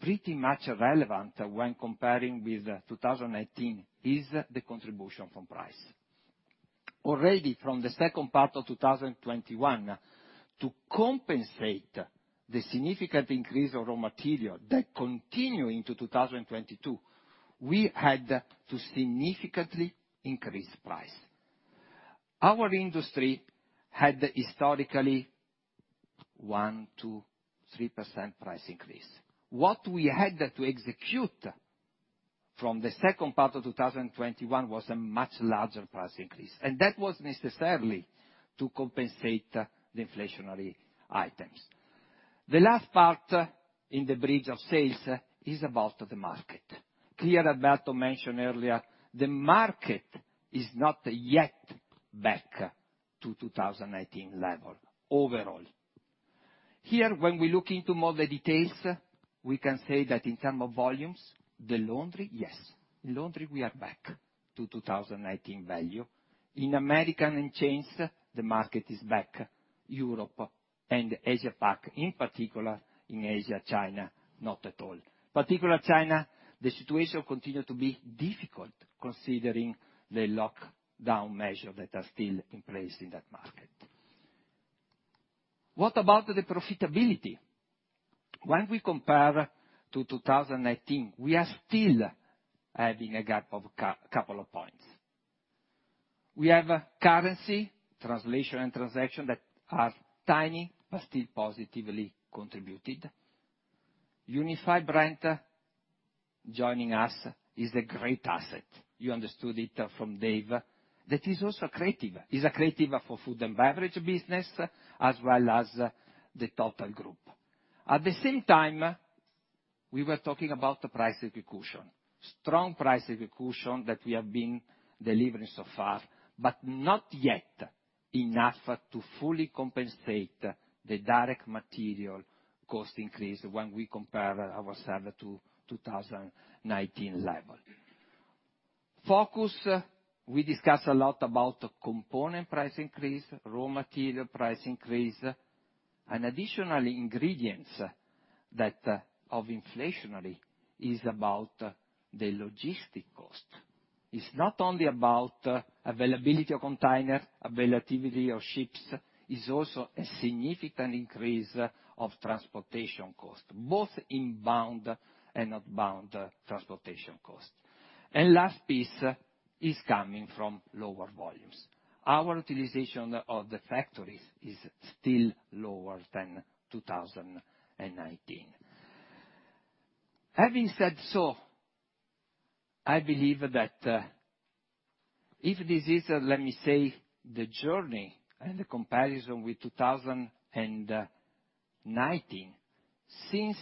pretty much relevant when comparing with 2018, is the contribution from price. Already from the second part of 2021, to compensate the significant increase of raw material that continued into 2022, we had to significantly increase price. Our industry had historically 1%-3% price increase. What we had to execute from the second part of 2021 was a much larger price increase, and that was necessary to compensate the inflationary items. The last part in the bridge of sales is about the market. Here, Alberto mentioned earlier, the market is not yet back to 2018 level overall. Here, when we look into more the details, we can say that in terms of volumes, the laundry, yes. In laundry, we are back to 2018 value. In America and chains, the market is back. Europe and Asia Pac. In particular in Asia, China, not at all. China, the situation continue to be difficult considering the lockdown measure that are still in place in that market. What about the profitability? When we compare to 2018, we are still having a gap of a couple of points. We have a currency translation and transaction that are tiny, but still positively contributed. Unified Brands joining us is a great asset. You understood it from Dave. That is also accretive. It is accretive for food and beverage business, as well as the total group. At the same time, we were talking about the price execution. Strong price execution that we have been delivering so far, but not yet enough to fully compensate the direct material cost increase when we compare ourselves to 2019 level. First, we discussed a lot about component price increase, raw material price increase, and additional ingredients that of inflation is about the logistics cost. It's not only about availability of containers, availability of ships. It's also a significant increase of transportation costs, both inbound and outbound transportation costs. Last piece is coming from lower volumes. Our utilization of the factories is still lower than 2019. Having said so, I believe that, if this is, let me say, the journey and the comparison with 2019, since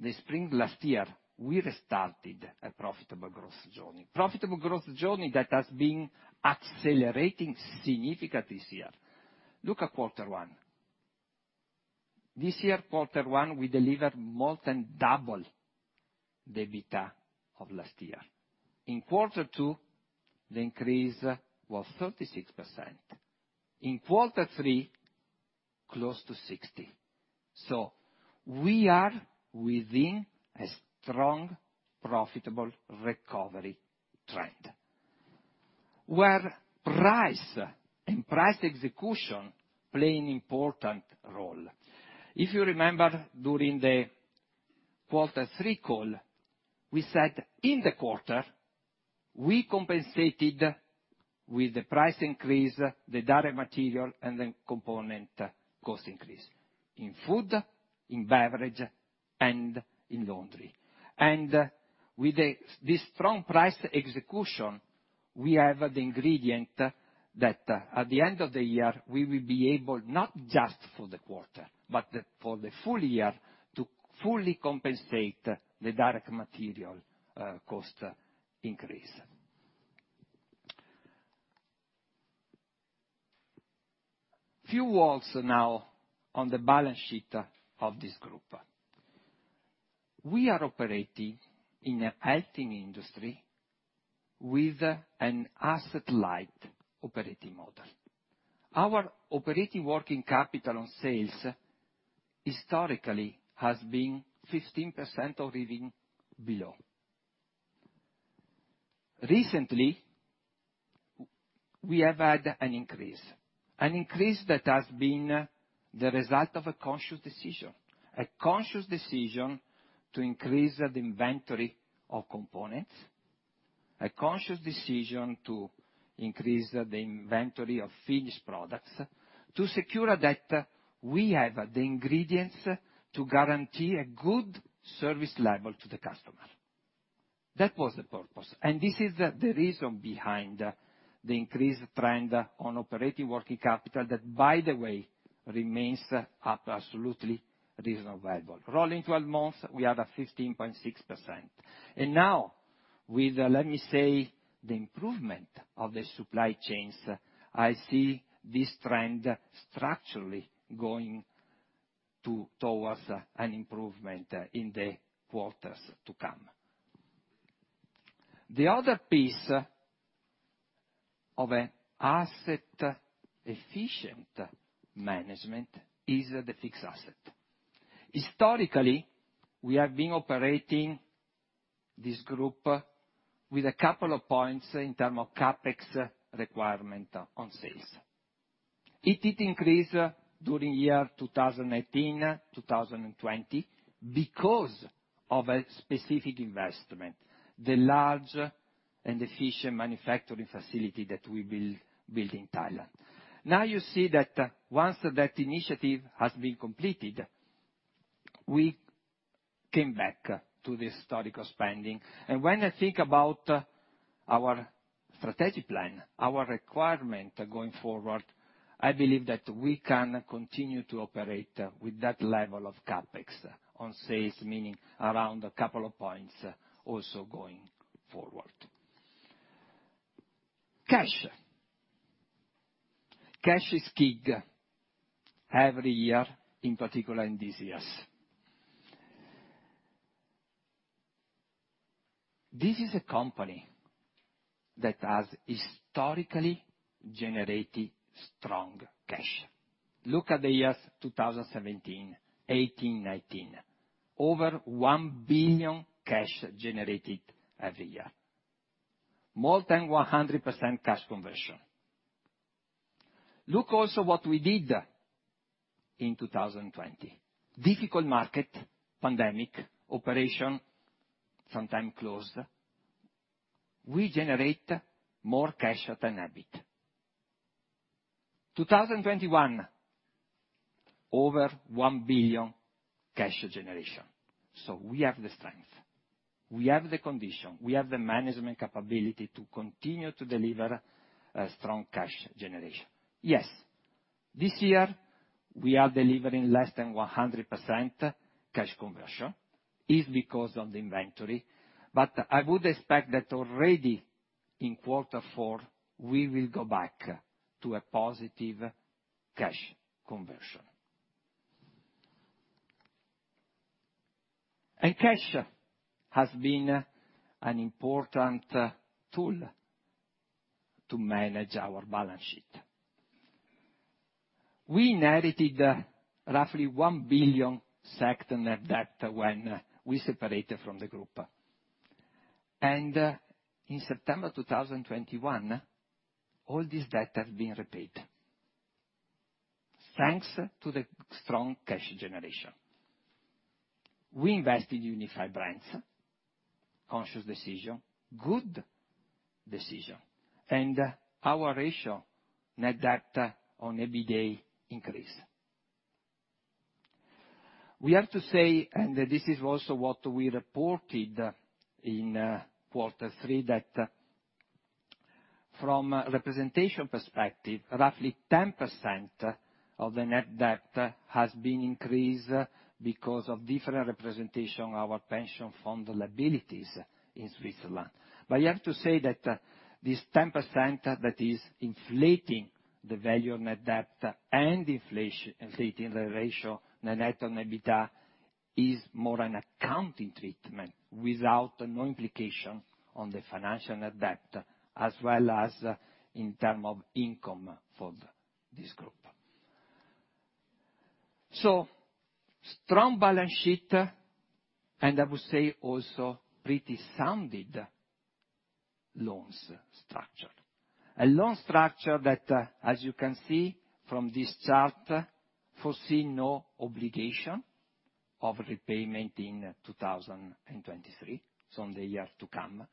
the spring of last year, we restarted a profitable growth journey. Profitable growth journey that has been accelerating significantly this year. Look at quarter one. This year, quarter one, we delivered more than double the EBITDA of last year. In quarter two, the increase was 36%. In quarter three, close to 60%. We are within a strong, profitable recovery trend, where price and price execution play an important role. If you remember, during the quarter three call, we said in the quarter, we compensated with the price increase, the direct material, and the component cost increase in food, in beverage, and in laundry. With this strong price execution, we have the indication that at the end of the year, we will be able, not just for the quarter, but for the full year, to fully compensate the direct material cost increase. Few words now on the balance sheet of this group. We are operating in a healthy industry with an asset-light operating model. Our operating working capital on sales historically has been 15% or even below. Recently, we have had an increase that has been the result of a conscious decision. A conscious decision to increase the inventory of components, a conscious decision to increase the inventory of finished products, to secure that we have the ingredients to guarantee a good service level to the customer. That was the purpose, and this is the reason behind the increased trend on operating working capital that, by the way, remains at absolutely reasonable level. Rolling 12 months, we are at 15.6%. Now with, let me say, the improvement of the supply chains, I see this trend structurally going towards an improvement in the quarters to come. The other piece of an asset efficient management is the fixed asset. Historically, we have been operating this group with a couple of points in terms of CapEx requirement on sales. It did increase during 2018-2020 because of a specific investment, the large and efficient manufacturing facility that we built in Thailand. Now you see that once that initiative has been completed, we came back to this historical spending. When I think about our strategic plan, our requirement going forward, I believe that we can continue to operate with that level of CapEx on sales, meaning around a couple of points also going forward. Cash. Cash is key every year, in particular in these years. This is a company that has historically generated strong cash. Look at the years 2017, 2018, 2019. Over 1 billion cash generated every year, more than 100% cash conversion. Look also what we did in 2020. Difficult market, pandemic, operations sometimes closed. We generate more cash than EBIT. 2021, over 1 billion cash generation. We have the strength, we have the condition, we have the management capability to continue to deliver strong cash generation. Yes, this year we are delivering less than 100% cash conversion, is because of the inventory. I would expect that already in quarter four we will go back to a positive cash conversion. Cash has been an important tool to manage our balance sheet. We inherited roughly 1 billion net debt when we separated from the group. In September 2021, all this debt has been repaid thanks to the strong cash generation. We invest in Unified Brands. Conscious decision, good decision. Our ratio net debt on EBITDA increase. We have to say, and this is also what we reported in quarter three, that from a revaluation perspective, roughly 10% of the net debt has been increased because of different revaluation of our pension fund liabilities in Switzerland. You have to say that this 10% that is inflating the value of net debt, inflating the ratio, the net debt to EBITDA, is more an accounting treatment with no implication on the financial net debt, as well as in terms of income for this group. Strong balance sheet, and I would say also pretty sound loan structure. A loan structure that, as you can see from this chart, foresees no obligation of repayment in 2023, so in the year to come.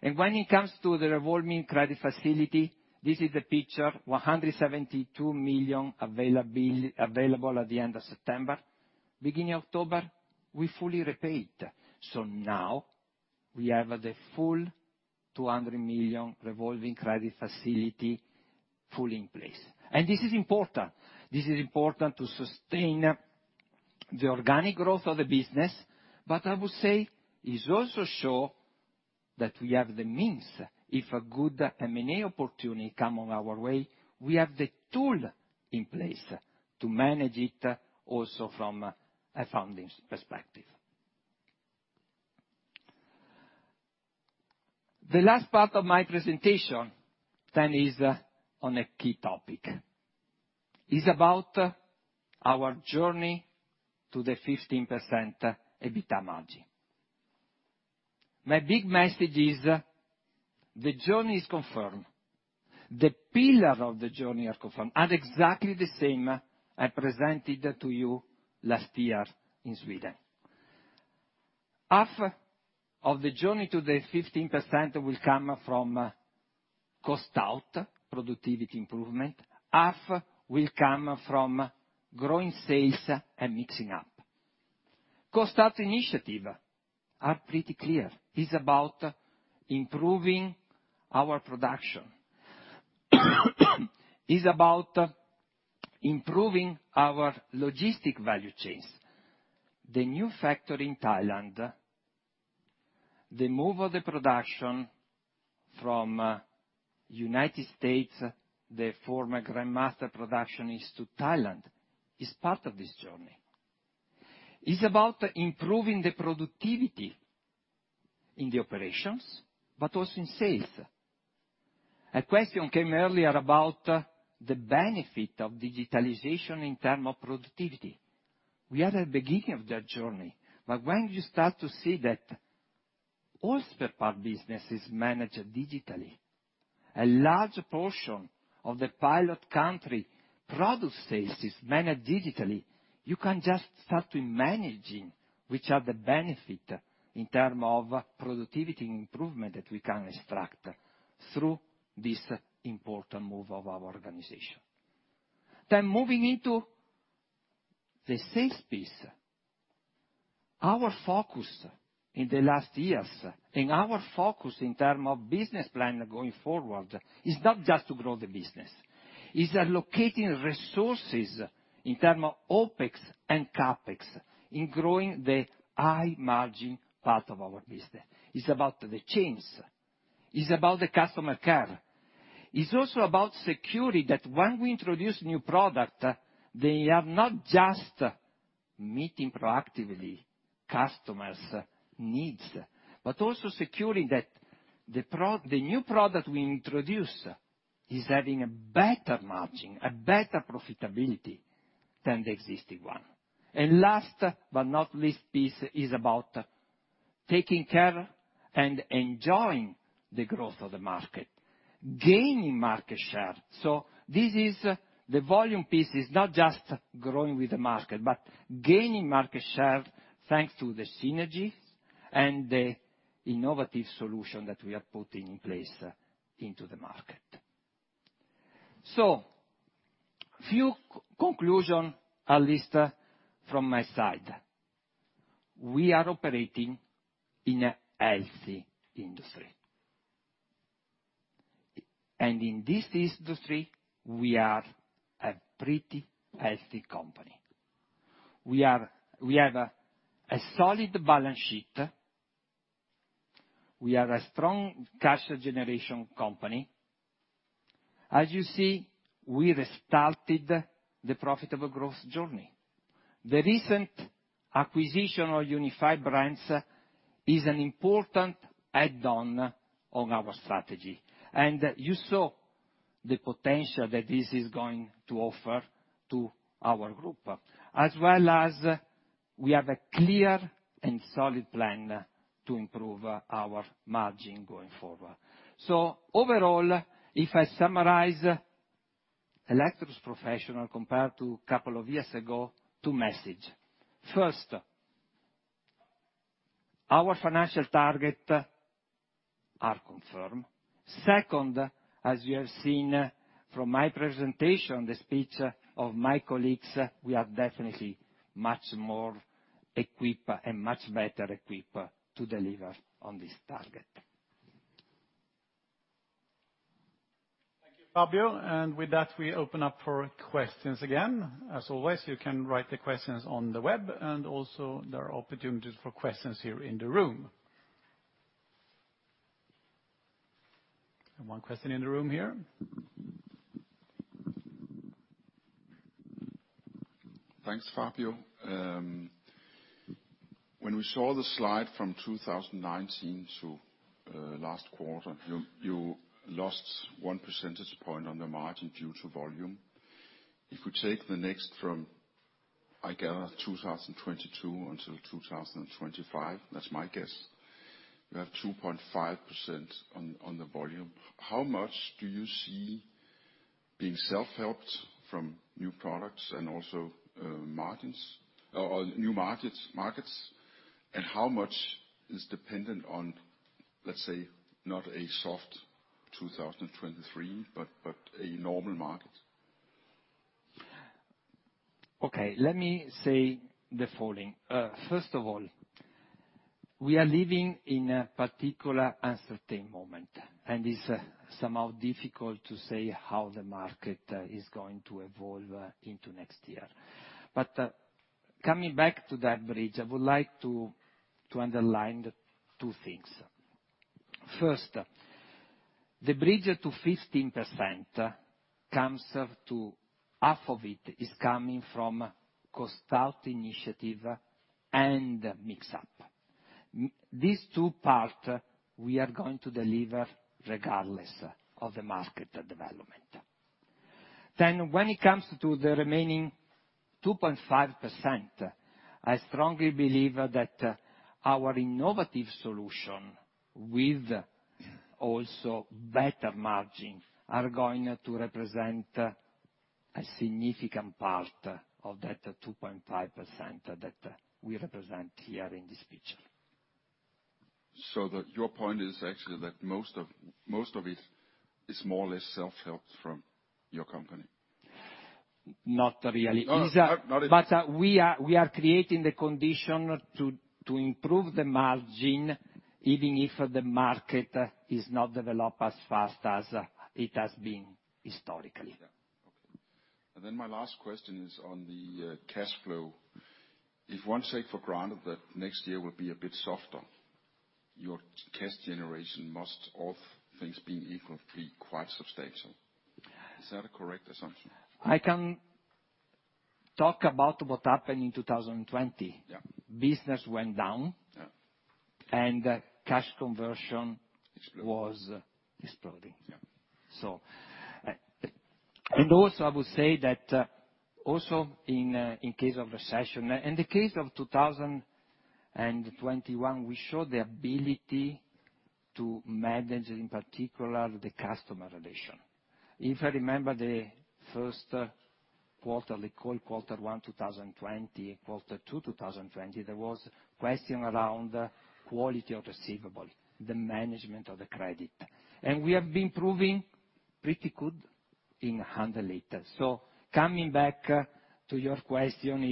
When it comes to the revolving credit facility, this is the picture. 172 million available at the end of September. Beginning October, we fully repaid. Now we have the full 200 million revolving credit facility fully in place. This is important to sustain the organic growth of the business. I would say it also show that we have the means. If a good M&A opportunity come on our way, we have the tool in place to manage it also from a funding perspective. The last part of my presentation is on a key topic. It's about our journey to the 15% EBITDA margin. My big message is, the journey is confirmed, the pillar of the journey are confirmed, at exactly the same as I presented to you last year in Sweden. Half of the journey to the 15% will come from cost out, productivity improvement. Half will come from growing sales and mixing up. Cost-out initiatives are pretty clear. It's about improving our production. It's about improving our logistics value chains. The new factory in Thailand, the move of the production from the United States, the former Grindmaster production is to Thailand, is part of this journey. It's about improving the productivity in the operations, but also in sales. A question came earlier about the benefit of digitalization in terms of productivity. We are at the beginning of that journey, but when you start to see that all spare part business is managed digitally, a large portion of the pilot country product sales is managed digitally, you can just start imagining what the benefits in terms of productivity improvement that we can extract through this important move of our organization. Moving into the sales piece. Our focus in the last years, and our focus in terms of business plan going forward, is not just to grow the business. It's allocating resources in terms of OpEx and CapEx in growing the high margin part of our business. It's about the chains, it's about the customer care. It's also about ensuring that when we introduce new product, they are not just meeting proactively customers' needs, but also securing that the new product we introduce is having a better margin, a better profitability than the existing one. Last but not least piece is about taking care and enjoying the growth of the market, gaining market share. This is the volume piece, is not just growing with the market, but gaining market share thanks to the synergies and the innovative solution that we are putting in place into the market. In conclusion, at least from my side. We are operating in a healthy industry. In this industry, we are a pretty healthy company. We have a solid balance sheet. We are a strong cash generation company. As you see, we restarted the profitable growth journey. The recent acquisition of Unified Brands is an important add-on to our strategy. You saw the potential that this is going to offer to our group. As well as we have a clear and solid plan to improve our margin going forward. Overall, if I summarize Electrolux Professional compared to couple of years ago, two messages. First, our financial target are confirmed. Second, as you have seen from my presentation, the speech of my colleagues, we are definitely much more equipped and much better equipped to deliver on this target. Thank you, Fabio. With that, we open up for questions again. As always, you can write the questions on the web, and also there are opportunities for questions here in the room. One question in the room here. Thanks, Fabio. When we saw the slide from 2019 to last quarter, you lost one percentage point on the margin due to volume. If we take the next from, I gather, 2022 until 2025, that's my guess, you have 2.5% on the volume. How much do you see being self-help from new products and also margins or new markets, and how much is dependent on, let's say, not a soft 2023, but a normal market? Okay, let me say the following. First of all, we are living in a particular uncertain moment, and it's somehow difficult to say how the market is going to evolve into next year. Coming back to that bridge, I would like to underline two things. First, the bridge to 15% comes from half of it is coming from cost out initiative and mix up. These two parts we are going to deliver regardless of the market development. When it comes to the remaining 2.5%, I strongly believe that our innovative solution with also better margin are going to represent a significant part of that 2.5% that we represent here in this picture. Your point is actually that most of it is more or less self-helped from your company? Not really. Oh, not at. We are creating the condition to improve the margin, even if the market is not developed as fast as it has been historically. Yeah. Okay. My last question is on the cash flow. If one takes for granted that next year will be a bit softer, your cash generation must, all things being equal, be quite substantial. Is that a correct assumption? I can talk about what happened in 2020. Yeah. Business went down. Yeah. Cash conversion. Exploded Was exploding. Yeah. And also, I would say that, also in case of recession, in the case of 2021, we showed the ability to manage, in particular, the customer relation. If I remember the first quarter one, 2020, quarter two, 2020, there was question around quality of receivable, the management of the credit. We have been proving pretty good in handling it. Coming back to your question,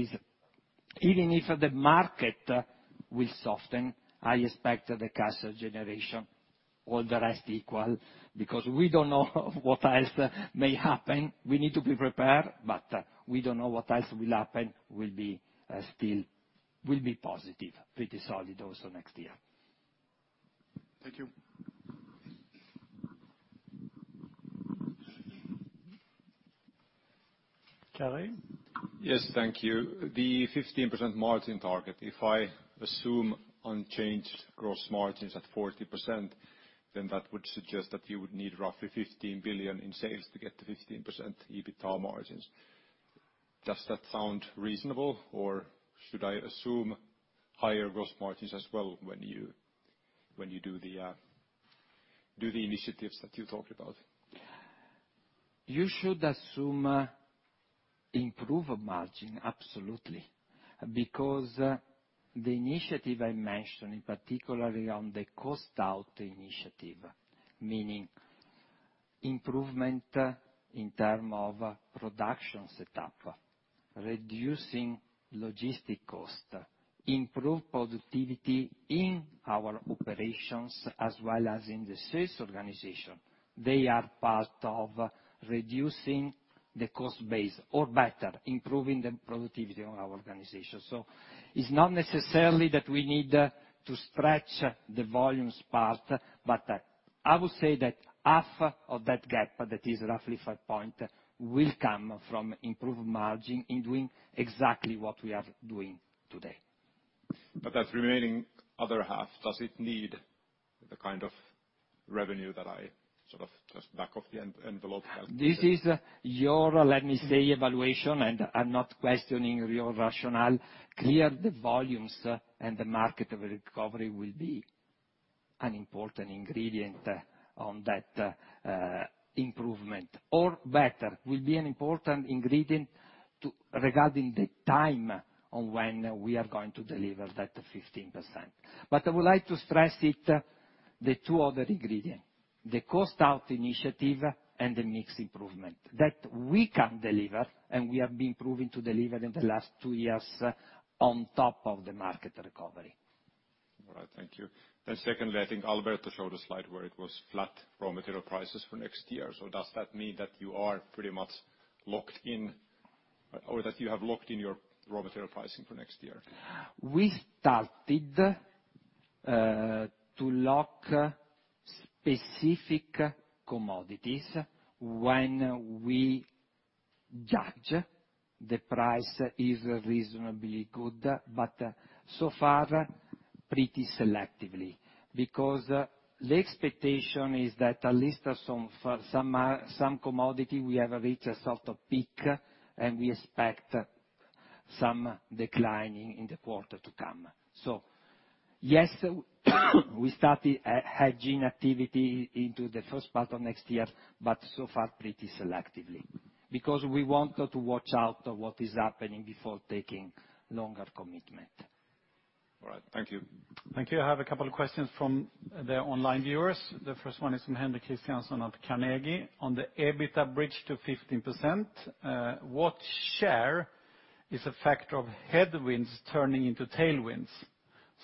even if the market will soften, I expect the cash generation, all the rest equal, because we don't know what else may happen. We need to be prepared, but we don't know what else will happen, will be still positive, pretty solid also next year. Thank you. Kelly? Yes, thank you. The 15% margin target, if I assume unchanged gross margins at 40%, then that would suggest that you would need roughly 15 billion in sales to get to 15% EBITA margins. Does that sound reasonable, or should I assume higher gross margins as well when you do the initiatives that you talked about? You should assume improved margin, absolutely. Because the initiative I mentioned, in particular on the cost-out initiative, meaning improvement in terms of production setup, reducing logistics cost, improved productivity in our operations as well as in the sales organization. They are part of reducing the cost base, or better, improving the productivity in our organization. It's not necessarily that we need to stretch the volumes part, but I would say that half of that gap, that is roughly 5%, will come from improved margin in doing exactly what we are doing today. That remaining other half, does it need the kind of revenue that I sort of just back-of-the-envelope calculated? This is your, let me say, evaluation, and I'm not questioning your rationale. Clear, the volumes and the market recovery will be an important ingredient on that improvement. Better, will be an important ingredient regarding the time on when we are going to deliver that 15%. I would like to stress it, the two other ingredient, the cost out initiative and the mix improvement that we can deliver, and we have been proving to deliver in the last two years on top of the market recovery. All right, thank you. Secondly, I think Alberto showed a slide where it was flat raw material prices for next year. Does that mean that you are pretty much locked in, or that you have locked in your raw material pricing for next year? We started to lock specific commodities when we judge the price is reasonably good. So far, pretty selectively, because the expectation is that at least for some commodity, we have reached a sort of peak, and we expect some decline in the quarter to come. Yes, we started hedging activity into the first part of next year, but so far pretty selectively, because we want to watch out for what is happening before taking longer commitment. All right, thank you. Thank you. I have a couple questions from the online viewers. The first one is from Henrik Christiansson of Carnegie. On the EBITA bridge to 15%, what share is a factor of headwinds turning into tailwinds,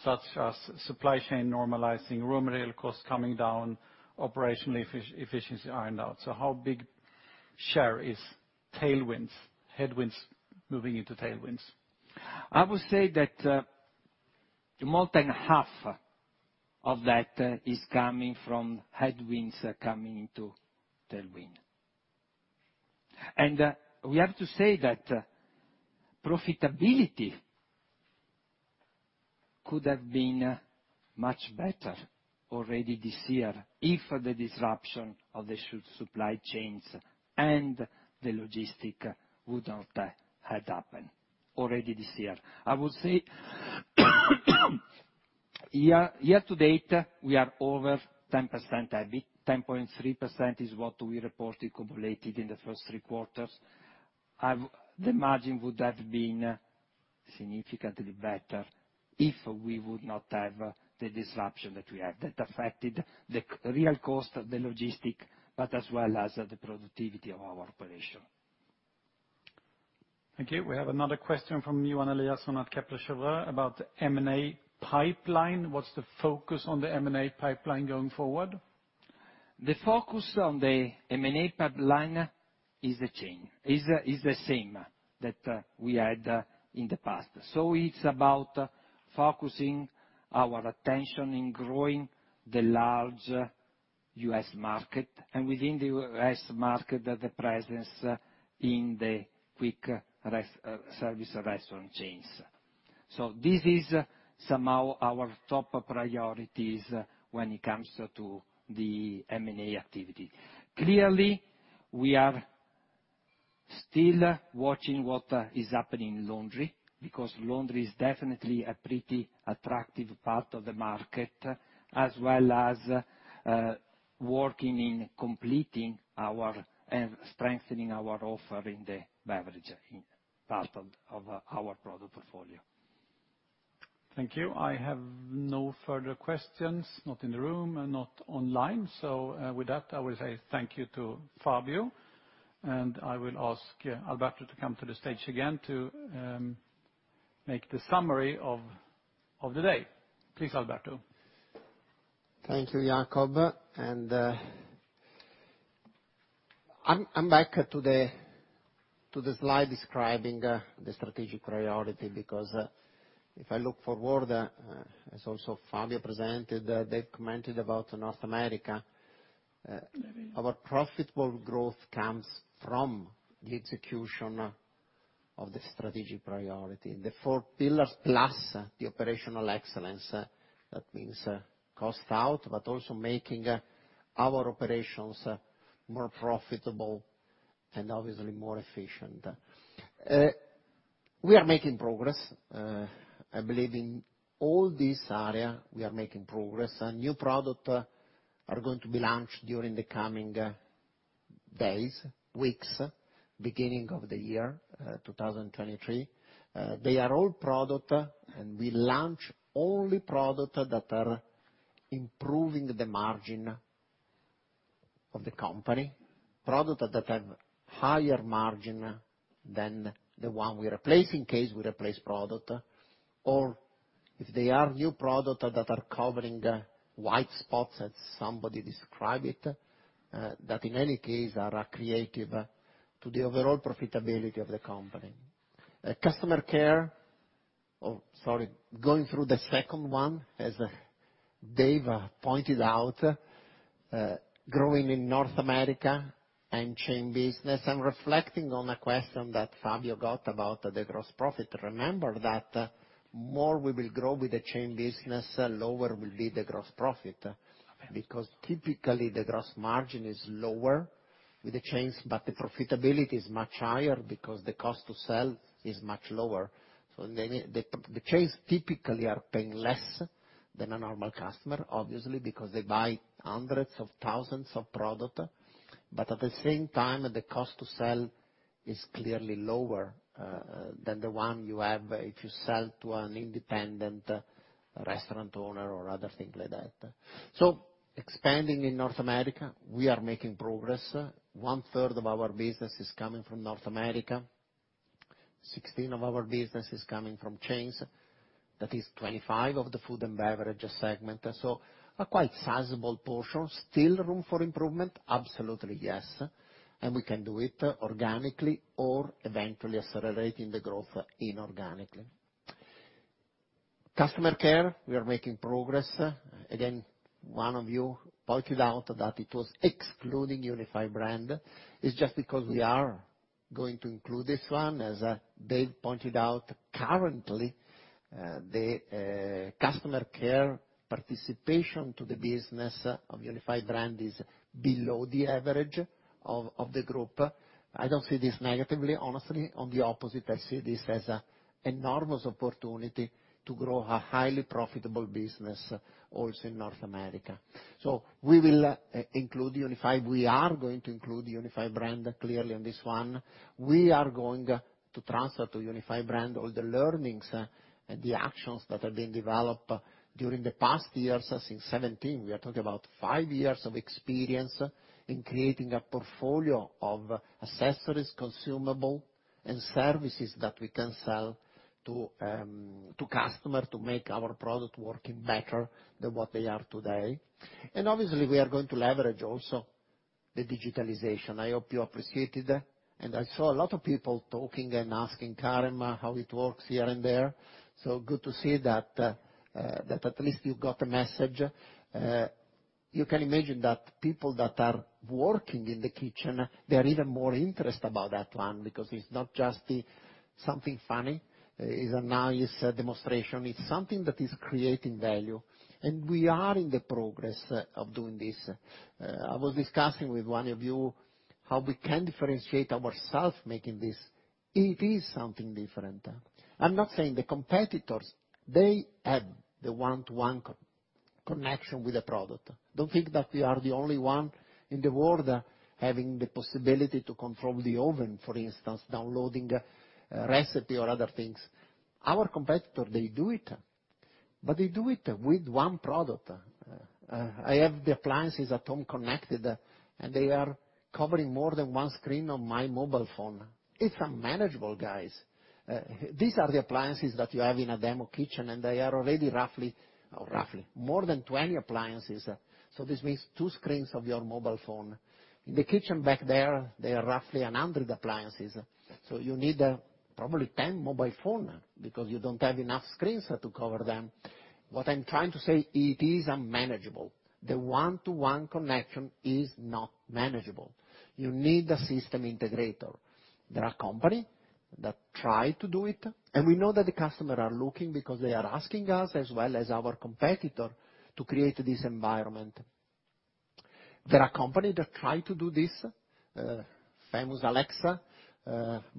such as supply chain normalizing, raw material costs coming down, operational efficiency ironed out? How big share is tailwinds, headwinds moving into tailwinds? I would say that more than half of that is coming from headwinds coming into tailwind. We have to say that profitability could have been much better already this year if the disruption of the supply chains and the logistics would not had happened already this year. I would say year to date, we are over 10% EBIT. 10.3% is what we reported cumulated in the first three quarters. The margin would have been significantly better if we would not have the disruption that we had that affected the real cost of the logistics, but as well as the productivity of our operation. Thank you. We have another question from Johan Eliason at Kepler Cheuvreux about M&A pipeline. What's the focus on the M&A pipeline going forward? The focus on the M&A pipeline is the same that we had in the past. It's about focusing our attention in growing the large U.S. market, and within the U.S. market, the presence in the quick service restaurant chains. This is somehow our top priorities when it comes to the M&A activity. Clearly, we are still watching what is happening in laundry, because laundry is definitely a pretty attractive part of the market, as well as working in completing our and strengthening our offer in the beverage part of our product portfolio. Thank you. I have no further questions, not in the room and not online. With that, I will say thank you to Fabio, and I will ask Alberto to come to the stage again to make the summary of the day. Please, Alberto. Thank you, Jacob. I'm back to the slide describing the strategic priority because if I look forward, as also Fabio presented, they've commented about North America. Our profitable growth comes from the execution of the strategic priority, the four pillars plus the operational excellence. That means, cost out, but also making our operations more profitable and obviously more efficient. We are making progress. I believe in all this area we are making progress. A new product are going to be launched during the coming days, weeks, beginning of the year, 2023. They are all product, and we launch only product that are improving the margin of the company. Products that have higher margin than the one we replace, in case we replace products, or if they are new products that are covering wide spots as somebody describe it, that in any case are accretive to the overall profitability of the company. Customer care. Oh, sorry, going through the second one, as Dave pointed out, growing in North America and chain business. I'm reflecting on a question that Fabio got about the gross profit. Remember that more we will grow with the chain business, lower will be the gross profit. Because typically the gross margin is lower with the chains, but the profitability is much higher because the cost to sell is much lower. So the chains typically are paying less than a normal customer, obviously, because they buy hundreds of thousands of product. At the same time, the cost to sell is clearly lower than the one you have if you sell to an independent restaurant owner or other thing like that. Expanding in North America, we are making progress. One-third of our business is coming from North America. 16% of our business is coming from chains, that is 25% of the food and beverage segment. A quite sizable portion. Still room for improvement? Absolutely, yes. We can do it organically or eventually accelerating the growth inorganically. Customer care, we are making progress. Again, one of you pointed out that it was excluding Unified Brands. It's just because we are going to include this one. As Dave pointed out, currently, the customer care participation to the business of Unified Brands is below the average of the group. I don't see this negatively, honestly. On the opposite, I see this as an enormous opportunity to grow a highly profitable business also in North America. We will include Unified Brands. We are going to include Unified Brands clearly on this one. We are going to transfer to Unified Brands all the learnings and the actions that have been developed during the past years, since 2017. We are talking about five years of experience in creating a portfolio of accessories, consumables and services that we can sell to customers to make our product working better than what they are today. Obviously, we are going to leverage also the digitalization. I hope you appreciated, and I saw a lot of people talking and asking Karin how it works here and there. Good to see that at least you got the message. You can imagine that people that are working in the kitchen, they're even more interested about that one because it's not just something funny, is a nice demonstration. It's something that is creating value, and we are in the progress of doing this. I was discussing with one of you how we can differentiate ourselves making this. It is something different. I'm not saying the competitors, they have the one-to-one connection with the product. Don't think that we are the only one in the world having the possibility to control the oven, for instance, downloading a recipe or other things. Our competitor, they do it, but they do it with one product. I have the appliances at home connected, and they are covering more than one screen on my mobile phone. It's unmanageable, guys. These are the appliances that you have in a demo kitchen, and they are already roughly more than 20 appliances. This means two screens of your mobile phone. In the kitchen back there are roughly 100 appliances. You need probably 10 mobile phone because you don't have enough screens to cover them. What I'm trying to say, it is unmanageable. The one-to-one connection is not manageable. You need a system integrator. There are company that try to do it, and we know that the customer are looking because they are asking us as well as our competitor to create this environment. There are company that try to do this, famous Alexa.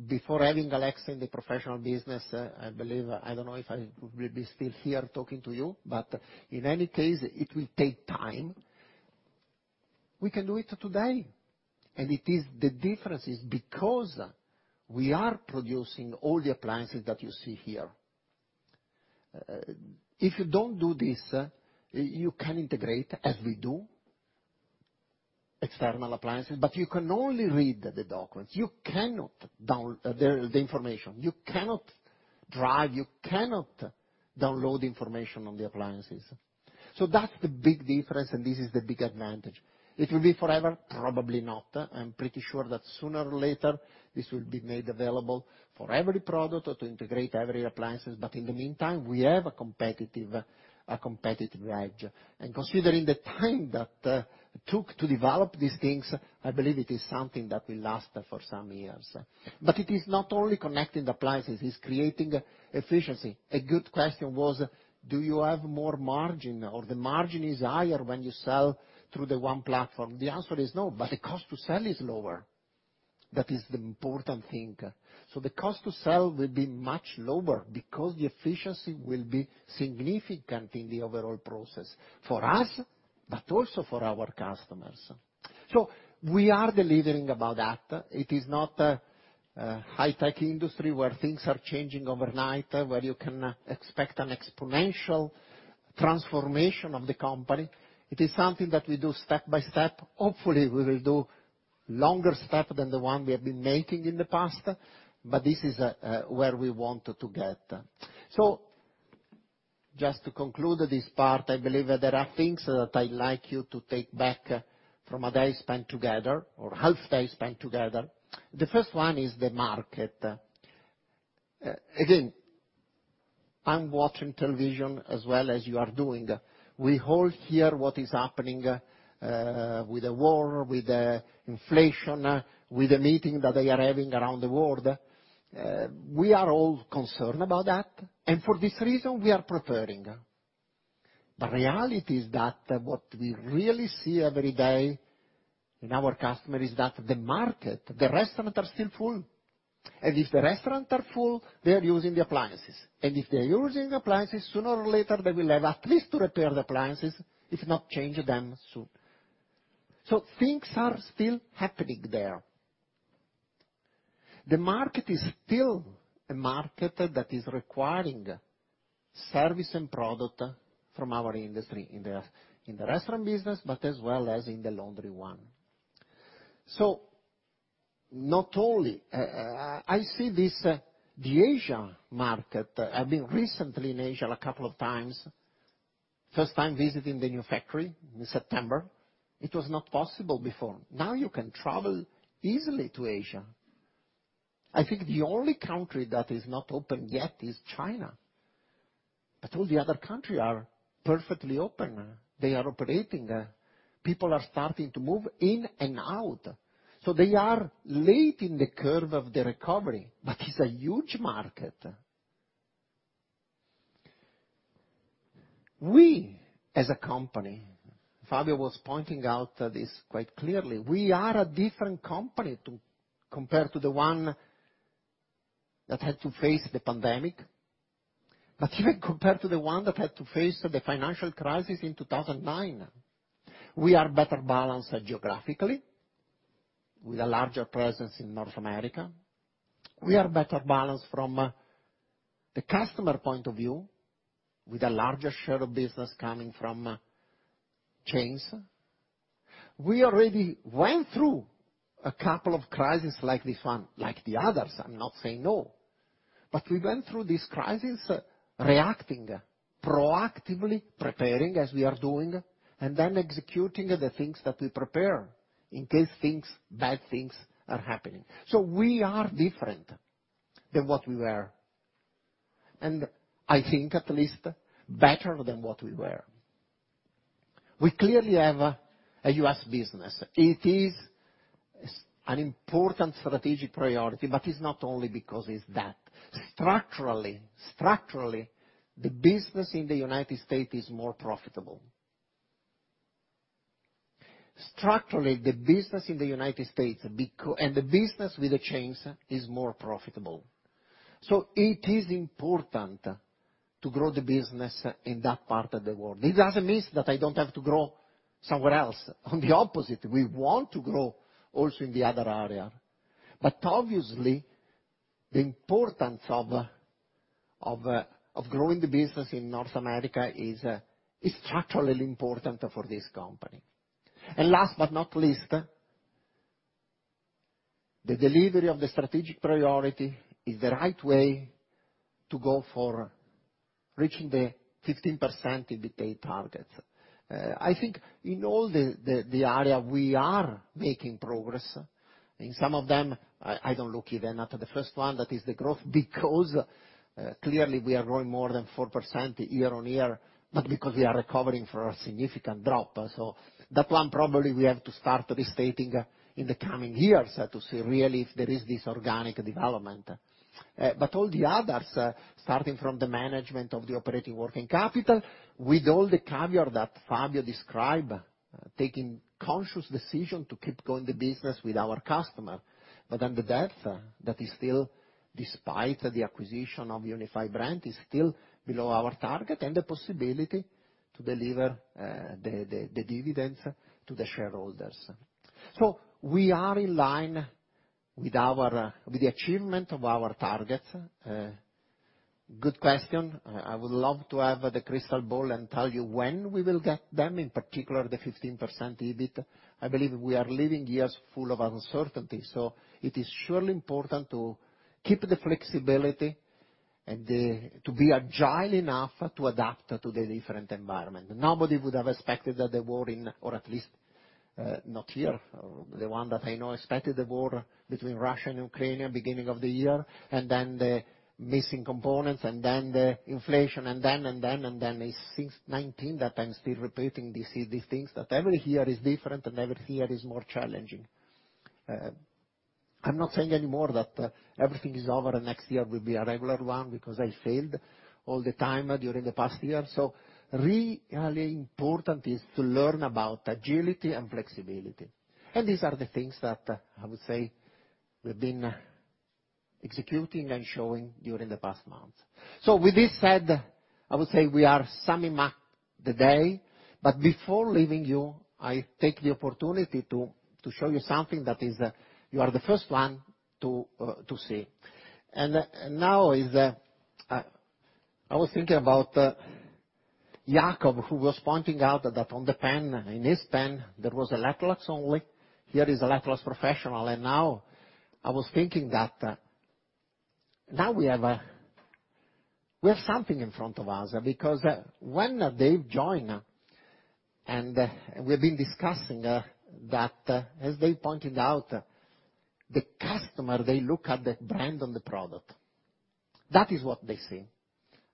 Before having Alexa in the professional business, I believe, I don't know if I would be still here talking to you. In any case, it will take time. We can do it today. It is the difference because we are producing all the appliances that you see here. If you don't do this, you can integrate, as we do, external appliances, but you can only read the documents. You cannot download the information. You cannot drive, you cannot download information on the appliances. That's the big difference, and this is the big advantage. It will be forever? Probably not. I'm pretty sure that sooner or later, this will be made available for every product or to integrate every appliances. In the meantime, we have a competitive edge. Considering the time that took to develop these things, I believe it is something that will last for some years. It is not only connecting the appliances, it's creating efficiency. A good question was, do you have more margin or the margin is higher when you sell through the OnE platform? The answer is no, but the cost to sell is lower. That is the important thing. The cost to sell will be much lower because the efficiency will be significant in the overall process, for us, but also for our customers. We are delivering about that. It is not a high-tech industry where things are changing overnight, where you can expect an exponential transformation of the company. It is something that we do step by step. Hopefully, we will do longer step than the one we have been making in the past, but this is where we want to get. Just to conclude this part, I believe there are things that I like you to take back from a day spent together or half day spent together. The first one is the market. Again, I'm watching television as well as you are doing. We all hear what is happening, with the war, with the inflation, with the meeting that they are having around the world. We are all concerned about that. For this reason, we are preparing. The reality is that what we really see every day in our customer is that the market, the restaurant are still full. If the restaurant are full, they are using the appliances. If they're using appliances, sooner or later, they will have at least to repair the appliances, if not change them soon. Things are still happening there. The market is still a market that is requiring service and product from our industry in the restaurant business, but as well as in the laundry one. Not only I see this, the Asia market. I've been recently in Asia a couple of times. First time visiting the new factory in September. It was not possible before. Now you can travel easily to Asia. I think the only country that is not open yet is China. All the other countries are perfectly open. They are operating. People are starting to move in and out. They are late in the curve of the recovery, but it's a huge market. We as a company, Fabio was pointing out this quite clearly, we are a different company compared to the one that had to face the pandemic. Even compared to the one that had to face the financial crisis in 2009, we are better balanced geographically with a larger presence in North America. We are better balanced from a customer point of view with a larger share of business coming from chains. We already went through a couple of crises like this one, like the others, I'm not saying no. We went through this crisis reacting proactively, preparing as we are doing, and then executing the things that we prepare in case things, bad things are happening. We are different than what we were. I think at least better than what we were. We clearly have a U.S. business. It is an important strategic priority, but it's not only because it's that. Structurally, the business in the United States is more profitable. Structurally, the business in the United States and the business with the chains is more profitable. It is important to grow the business in that part of the world. It doesn't mean that I don't have to grow somewhere else. On the opposite, we want to grow also in the other area. Obviously, the importance of growing the business in North America is structurally important for this company. Last but not least, the delivery of the strategic priority is the right way to go for reaching the 15% EBITDA target. I think in all the area we are making progress. In some of them, I don't look even at the first one, that is the growth, because clearly we are growing more than 4% year-over-year, but because we are recovering from a significant drop. That one probably we have to start restating in the coming years to see really if there is this organic development. All the others, starting from the management of the operating working capital, with all the caveat that Fabio described, taking conscious decision to keep going the business with our customer. Then the debt that is still, despite the acquisition of Unified Brands, is still below our target and the possibility to deliver the dividends to the shareholders. We are in line with our, with the achievement of our targets. Good question. I would love to have the crystal ball and tell you when we will get them, in particular the 15% EBIT. I believe we are living years full of uncertainty, so it is surely important to keep the flexibility and to be agile enough to adapt to the different environment. Nobody would have expected the war between Russia and Ukraine beginning of the year, and then the missing components, and then the inflation, and then since 2019 that I'm still repeating these things. Every year is different and every year is more challenging. I'm not saying anymore that everything is over and next year will be a regular one, because I failed all the time during the past years. Really important is to learn about agility and flexibility. These are the things that, I would say, we've been executing and showing during the past months. With this said, I would say we are summing up the day. Before leaving you, I take the opportunity to show you something that is, you are the first one to see. Now I was thinking about Jacob, who was pointing out that on the pen, in his pen, there was Electrolux only. Here is Electrolux Professional. Now I was thinking that now we have something in front of us. Because when they join, we've been discussing that, as they pointed out, the customer, they look at the brand on the product. That is what they see.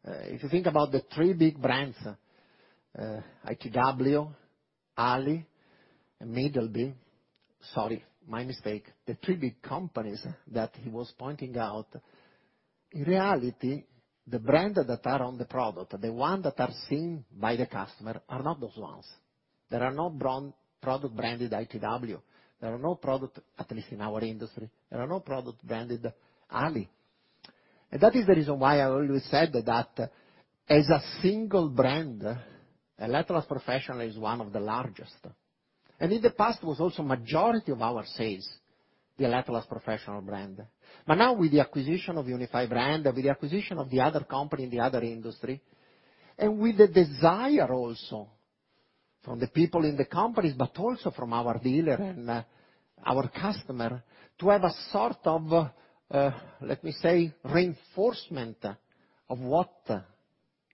If you think about the three big brands, ITW, Ali, and Middleby. Sorry, my mistake. The three big companies that he was pointing out. In reality, the brand that are on the product, the one that are seen by the customer are not those ones. There are no brand, product branded ITW. There are no product, at least in our industry, there are no product branded Ali. That is the reason why I always said that as a single brand, Electrolux Professional is one of the largest. In the past was also majority of our sales, the Electrolux Professional brand. Now with the acquisition of Unified Brands, with the acquisition of the other company in the other industry, and with the desire also from the people in the companies, but also from our dealer and our customer to have a sort of, let me say, reinforcement of what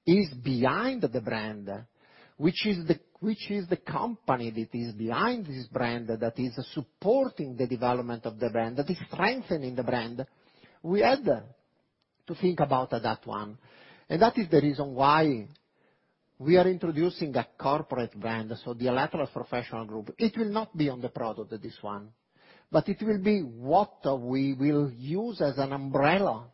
is behind the brand, which is the company that is behind this brand that is supporting the development of the brand, that is strengthening the brand. We had to think about that one. That is the reason why we are introducing a corporate brand, so the Electrolux Professional Group. It will not be on the product, this one, but it will be what we will use as an umbrella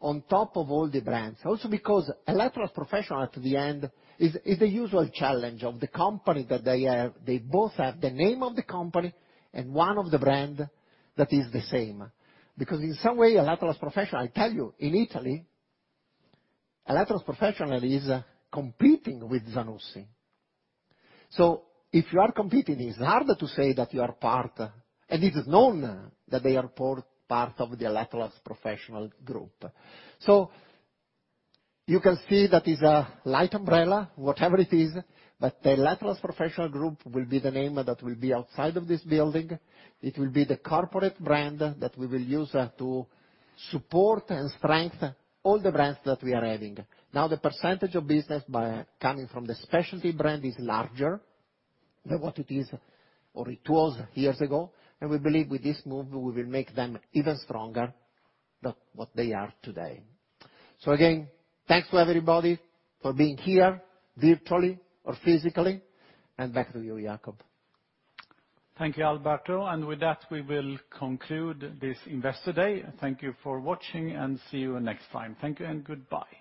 on top of all the brands. Also because Electrolux Professional at the end is the usual challenge of the company that they have. They both have the name of the company and one of the brand that is the same. In some way, Electrolux Professional, I tell you, in Italy, Electrolux Professional is competing with Zanussi. If you are competing, it's harder to say that you are part, and it's known that they are part of the Electrolux Professional Group. You can see that is a light umbrella, whatever it is, but the Electrolux Professional Group will be the name that will be outside of this building. It will be the corporate brand that we will use to support and strengthen all the brands that we are having. Now, the percentage of business coming from the specialty brand is larger than what it is, or it was years ago, and we believe with this move we will make them even stronger than what they are today. Again, thanks to everybody for being here virtually or physically. Back to you, Jacob. Thank you, Alberto. With that, we will conclude this Investor Day. Thank you for watching and see you next time. Thank you and goodbye.